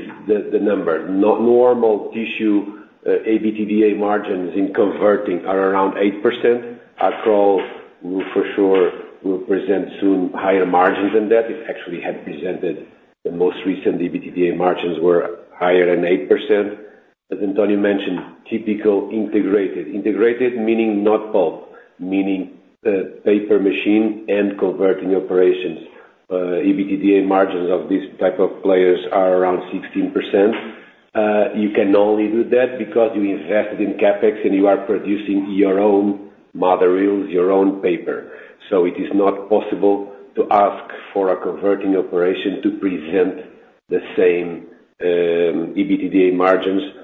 the number. Normal tissue EBITDA margins in converting are around 8%. Accrol will for sure will present soon higher margins than that. It actually had presented the most recent EBITDA margins were higher than 8%. As António mentioned, typical integrated. Integrated meaning not pulp, meaning paper machine and converting operations. EBITDA margins of these type of players are around 16%. You can only do that because you invested in CapEx and you are producing your own mother reels, your own paper. So it is not possible to ask for a converting operation to present the same, EBITDA margins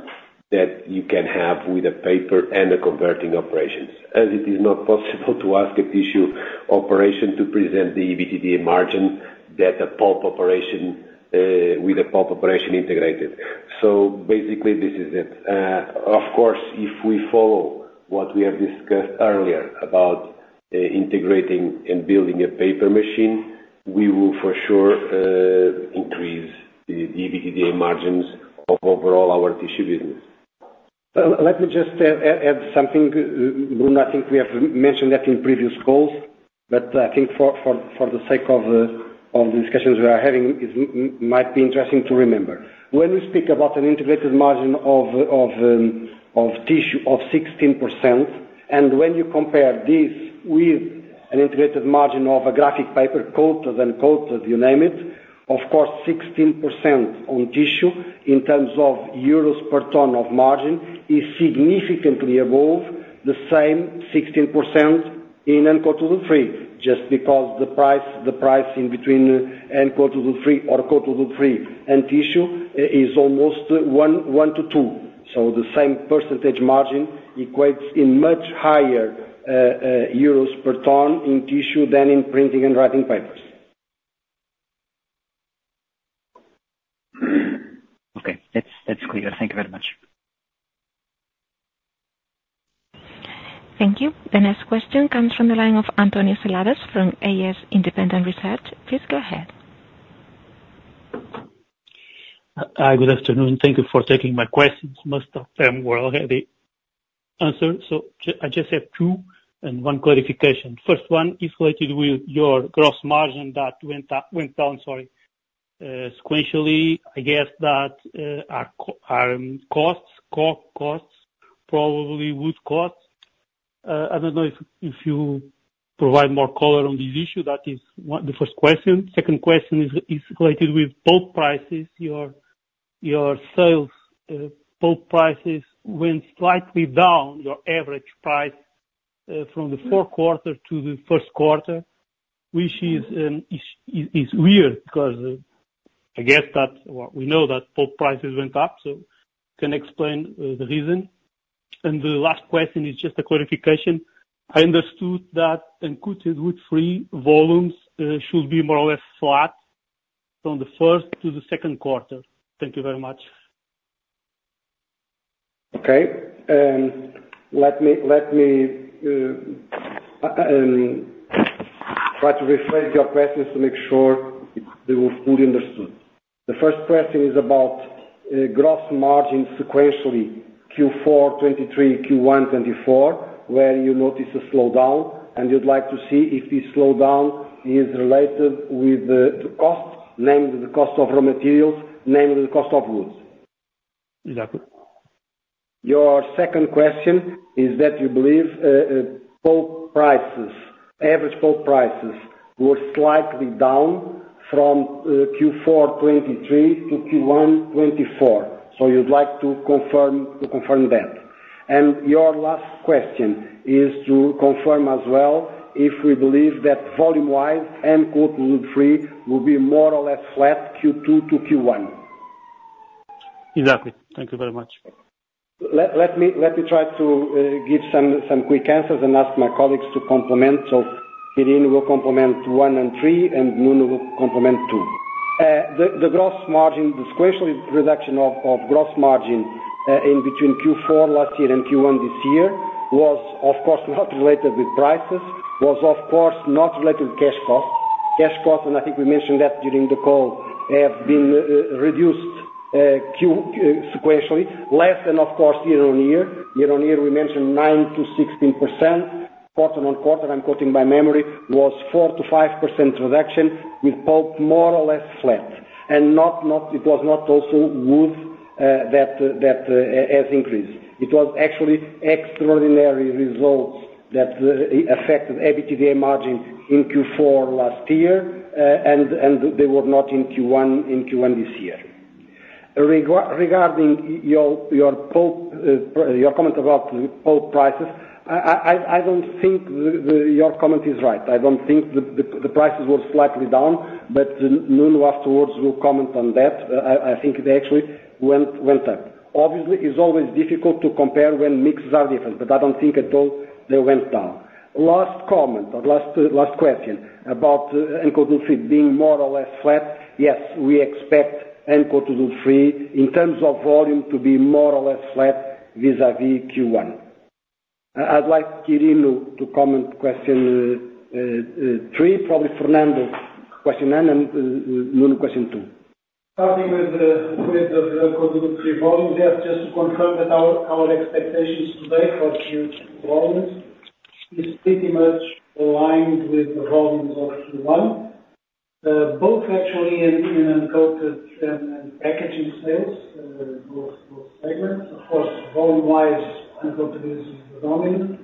that you can have with a paper and a converting operations, as it is not possible to ask a tissue operation to present the EBITDA margin that a pulp operation, with a pulp operation integrated. So basically, this is it. Of course, if we follow what we have discussed earlier about, integrating and building a paper machine, we will for sure, increase the EBITDA margins of overall our tissue business. Let me just add something, Bruno. I think we have mentioned that in previous calls, but I think for the sake of the discussions we are having, it might be interesting to remember. When we speak about an integrated margin of tissue of 16%, and when you compare this with an integrated margin of a graphic paper, coated and uncoated, you name it, of course, 16% on tissue in terms of EUR per ton of margin, is significantly above the same 16% in uncoated woodfree, just because the price in between uncoated woodfree or coated woodfree and tissue, is almost one to two. So the same percentage margin equates in much higher EUR per ton in tissue than in printing and writing papers. Okay. That's, that's clear. Thank you very much. Thank you. The next question comes from the line of António Seladas from AS Independent Research. Please go ahead. Good afternoon. Thank you for taking my questions. Most of them were already answered, so I just have two and one clarification. First one is related with your gross margin that went up - went down, sorry, sequentially. I guess that our costs, costs, probably wood costs. I don't know if you provide more color on this issue. That is one, the first question. Second question is related with pulp prices. Your sales pulp prices went slightly down, your average price from the fourth quarter to the first quarter, which is weird, because I guess that, well, we know that pulp prices went up, so can you explain the reason? The last question is just a clarification: I understood that in coated woodfree volumes, should be more or less flat from the first to the second quarter. Thank you very much. Okay. Let me try to rephrase your questions to make sure they were fully understood. The first question is about gross margin sequentially, Q4 2023, Q1 2024, where you notice a slowdown, and you'd like to see if this slowdown is related with the costs, namely, the cost of raw materials, namely, the cost of wood. Exactly. Your second question is that you believe, pulp prices, average pulp prices were slightly down from Q4 2023 to Q1 2024, so you'd like to confirm, to confirm that. And your last question is to confirm as well, if we believe that volume-wise, and woodfree will be more or less flat, Q2 to Q1. Exactly. Thank you very much. Let me try to give some quick answers and ask my colleagues to complement. So Quirino will complement one and three, and Nuno will complement two. The gross margin, the sequential reduction of gross margin in between Q4 last year and Q1 this year, was of course not related with prices, was of course not related to cash costs. Cash costs, and I think we mentioned that during the call, have been reduced sequentially, less than of course year-on-year. Year-on-year, we mentioned 9%-16%. Quarter-on-quarter, I'm quoting by memory, was 4%-5% reduction, with pulp more or less flat. And not, it was not also wood that has increased. It was actually extraordinary results that affected EBITDA margin in Q4 last year, and they were not in Q1 this year. Regarding your pulp, your comment about pulp prices, I don't think the prices were slightly down, but Nuno afterwards will comment on that. I think they actually went up. Obviously, it's always difficult to compare when mixes are different, but I don't think at all they went down. Last comment or last question about uncoated woodfree being more or less flat. Yes, we expect uncoated woodfree in terms of volume, to be more or less flat vis-a-vis Q1. I'd like Quirino to comment question three, probably Fernando, question one, and Nuno, question two. Starting with the uncoated woodfree volume, yes, just to confirm that our expectations today for Q2 volumes is pretty much aligned with the volumes of Q1. Both actually in uncoated and packaging sales, both segments. Of course, volume-wise, uncoated is dominant.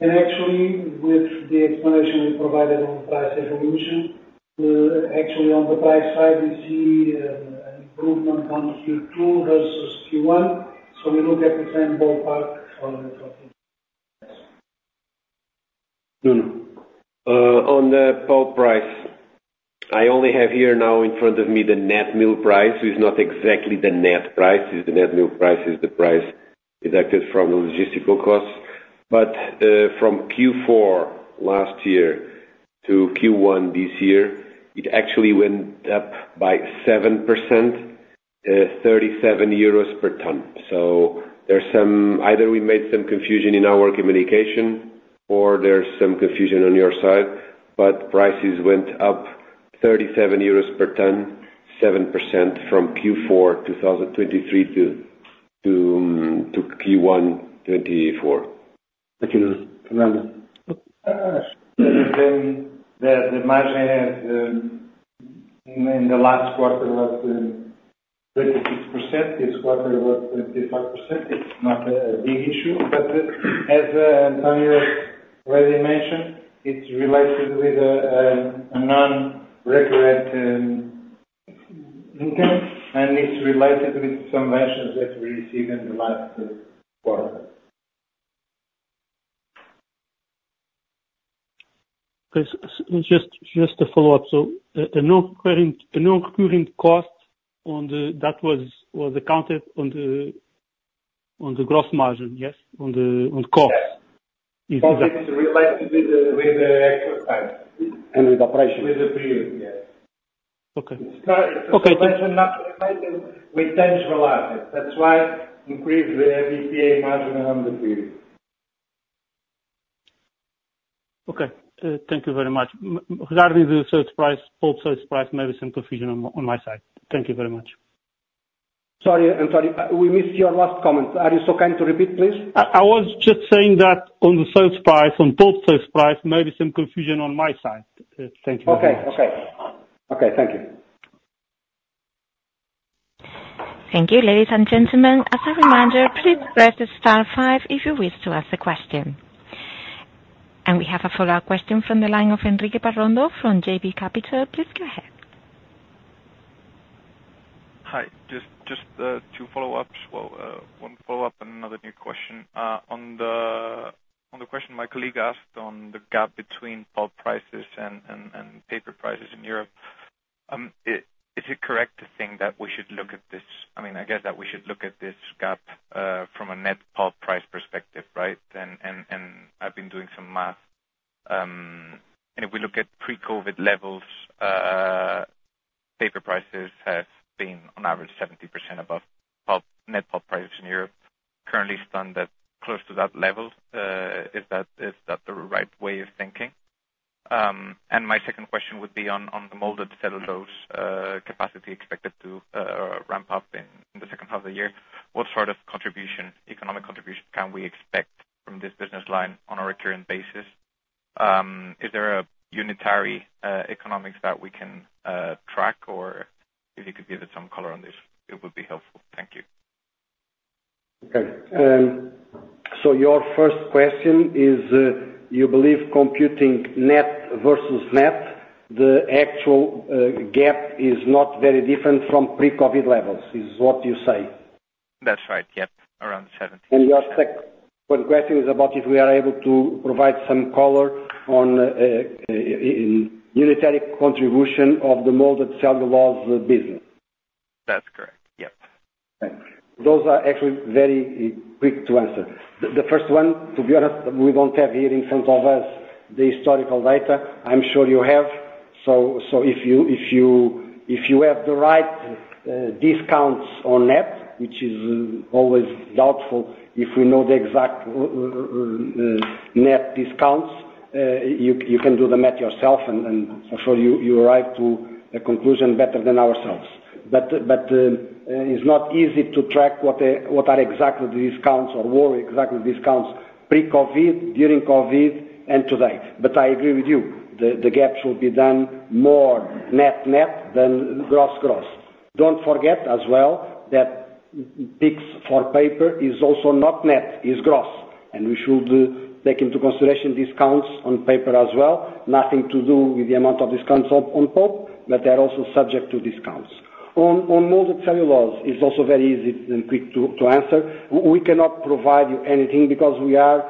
And actually, with the explanation we provided on price evolution, actually on the price side, we see an improvement on Q2 versus Q1, so we look at the same ballpark on the top. Nuno on the pulp price, I only have here now in front of me the net mill price. It's not exactly the net price, the net mill price is the price deducted from the logistical costs. But from Q4 last year to Q1 this year, it actually went up by 7%, 37 euros per ton. So there's some... either we made some confusion in our communication or there's some confusion on your side, but prices went up 37 euros per ton, 7% from Q4 2023 to Q1 2024. Thank you, Nuno. Fernando? Then the margin has in the last quarter was 36%. This quarter was 35%. It's not a big issue, but as António already mentioned, it's related with a non-recurring and it's related with some mentions that we received in the last quarter. Just to follow up. So a non-occurring cost on the that was accounted on the gross margin, yes? On the costs. Yes. It's related with the, with the extra time. With operation. With the period, yes. Okay. Okay- With temporary losses, that's why increase the EBITDA margin on the period. Okay, thank you very much. Regarding the sales price, pulp sales price, maybe some confusion on my side. Thank you very much. Sorry, I'm sorry, we missed your last comment. Are you so kind to repeat, please? I was just saying that on the sales price, on pulp sales price, maybe some confusion on my side. Thank you very much. Okay. Okay. Okay, thank you. Thank you, ladies and gentlemen. As a reminder, please press star five if you wish to ask a question. And we have a follow-up question from the line of Enrique Parrondo from JB Capital Markets. Please go ahead. Hi. Just two follow-ups. Well, one follow-up and another new question. On the question my colleague asked on the gap between pulp prices and paper prices in Europe, is it correct to think that we should look at this—I mean, I guess that we should look at this gap from a net pulp price perspective, right? And I've been doing some math. And if we look at pre-COVID levels, paper prices have been on average 70% above pulp, net pulp prices in Europe. Currently, it's done that, close to that level. Is that the right way of thinking? And my second question would be on the molded cellulose capacity expected to ramp up in the second half of the year. What sort of contribution, economic contribution, can we expect from this business line on a recurring basis? Is there a unitary economics that we can track, or if you could give it some color on this, it would be helpful. Thank you. Okay. So your first question is, you believe computing net versus net, the actual gap is not very different from pre-COVID levels, is what you say? That's right. Yep, around 70. Your second question is about if we are able to provide some color on in unitary contribution of the molded cellulose business. That's correct. Yep. Thanks. Those are actually very quick to answer. The first one, to be honest, we don't have here in front of us the historical data. I'm sure you have, so if you have the right discounts on net, which is always doubtful, if you know the exact net discounts, you can do the math yourself, and I'm sure you arrive to a conclusion better than ourselves. But it's not easy to track what are exactly the discounts or were exactly the discounts pre-COVID, during COVID, and today. But I agree with you, the gaps will be done more net-net than gross-gross. Don't forget as well, that peaks for paper is also not net, is gross, and we should take into consideration discounts on paper as well. Nothing to do with the amount of discounts on pulp, but they are also subject to discounts. On molded cellulose, it's also very easy and quick to answer. We cannot provide you anything because we are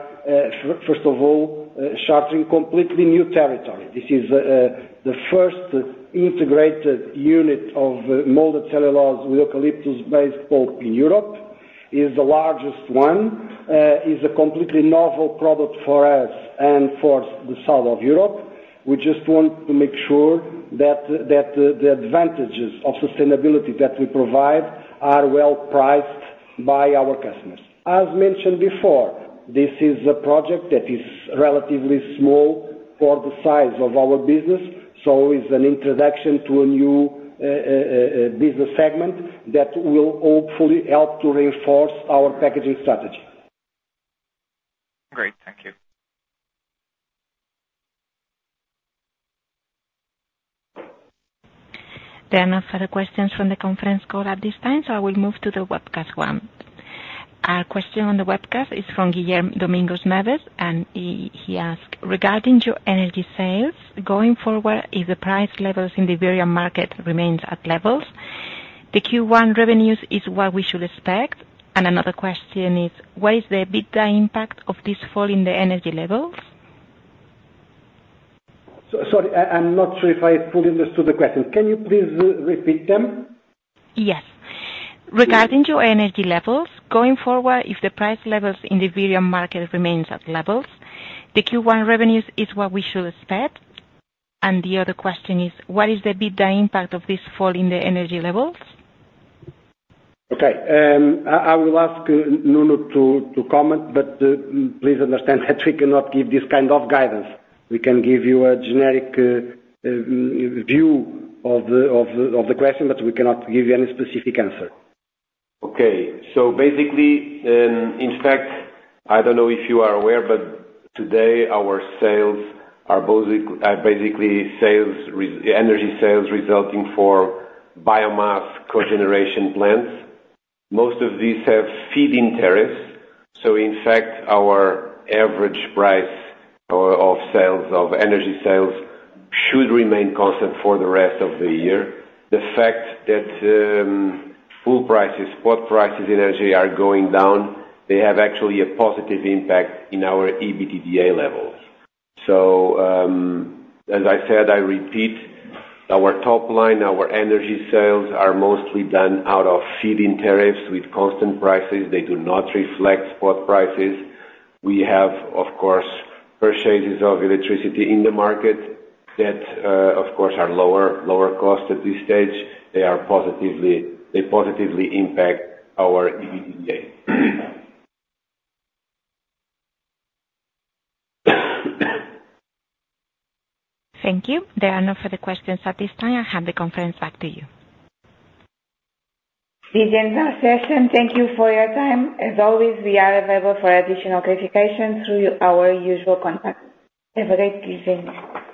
first of all charting completely new territory. This is the first integrated unit of molded cellulose with eucalyptus-based pulp in Europe, is the largest one. Is a completely novel product for us and for the south of Europe. We just want to make sure that the advantages of sustainability that we provide are well priced by our customers. As mentioned before, this is a project that is relatively small for the size of our business, so it's an introduction to a new business segment that will hopefully help to reinforce our packaging strategy. Great. Thank you. There are no further questions from the conference call at this time, so I will move to the webcast one. Our question on the webcast is from Guilherme Domingos Neves, and he asked: Regarding your energy sales, going forward, if the price levels in the Iberian market remains at levels, the Q1 revenues is what we should expect? And another question is: What is the EBITDA impact of this fall in the energy levels? Sorry, I'm not sure if I fully understood the question. Can you please repeat them? Yes. Regarding your energy levels, going forward, if the price levels in the Iberian market remains at levels, the Q1 revenues is what we should expect? And the other question is: What is the EBITDA impact of this fall in the energy levels? Okay, I will ask Nuno to comment, but please understand that we cannot give this kind of guidance. We can give you a generic view of the question, but we cannot give you any specific answer. Okay. So basically, in fact, I don't know if you are aware, but today our sales are basically energy sales resulting from biomass cogeneration plants. Most of these have feed-in tariffs, so in fact, our average price of sales of energy sales should remain constant for the rest of the year. The fact that fuel prices, spot prices, energy are going down, they have actually a positive impact in our EBITDA levels. So, as I said, I repeat, our top line, our energy sales are mostly done out of feed-in tariffs with constant prices. They do not reflect spot prices. We have, of course, purchases of electricity in the market that, of course, are lower cost at this stage. They positively impact our EBITDA. Thank you. There are no further questions at this time. I hand the conference back to you. This ends our session. Thank you for your time. As always, we are available for additional clarification through our usual contacts. Have a great evening.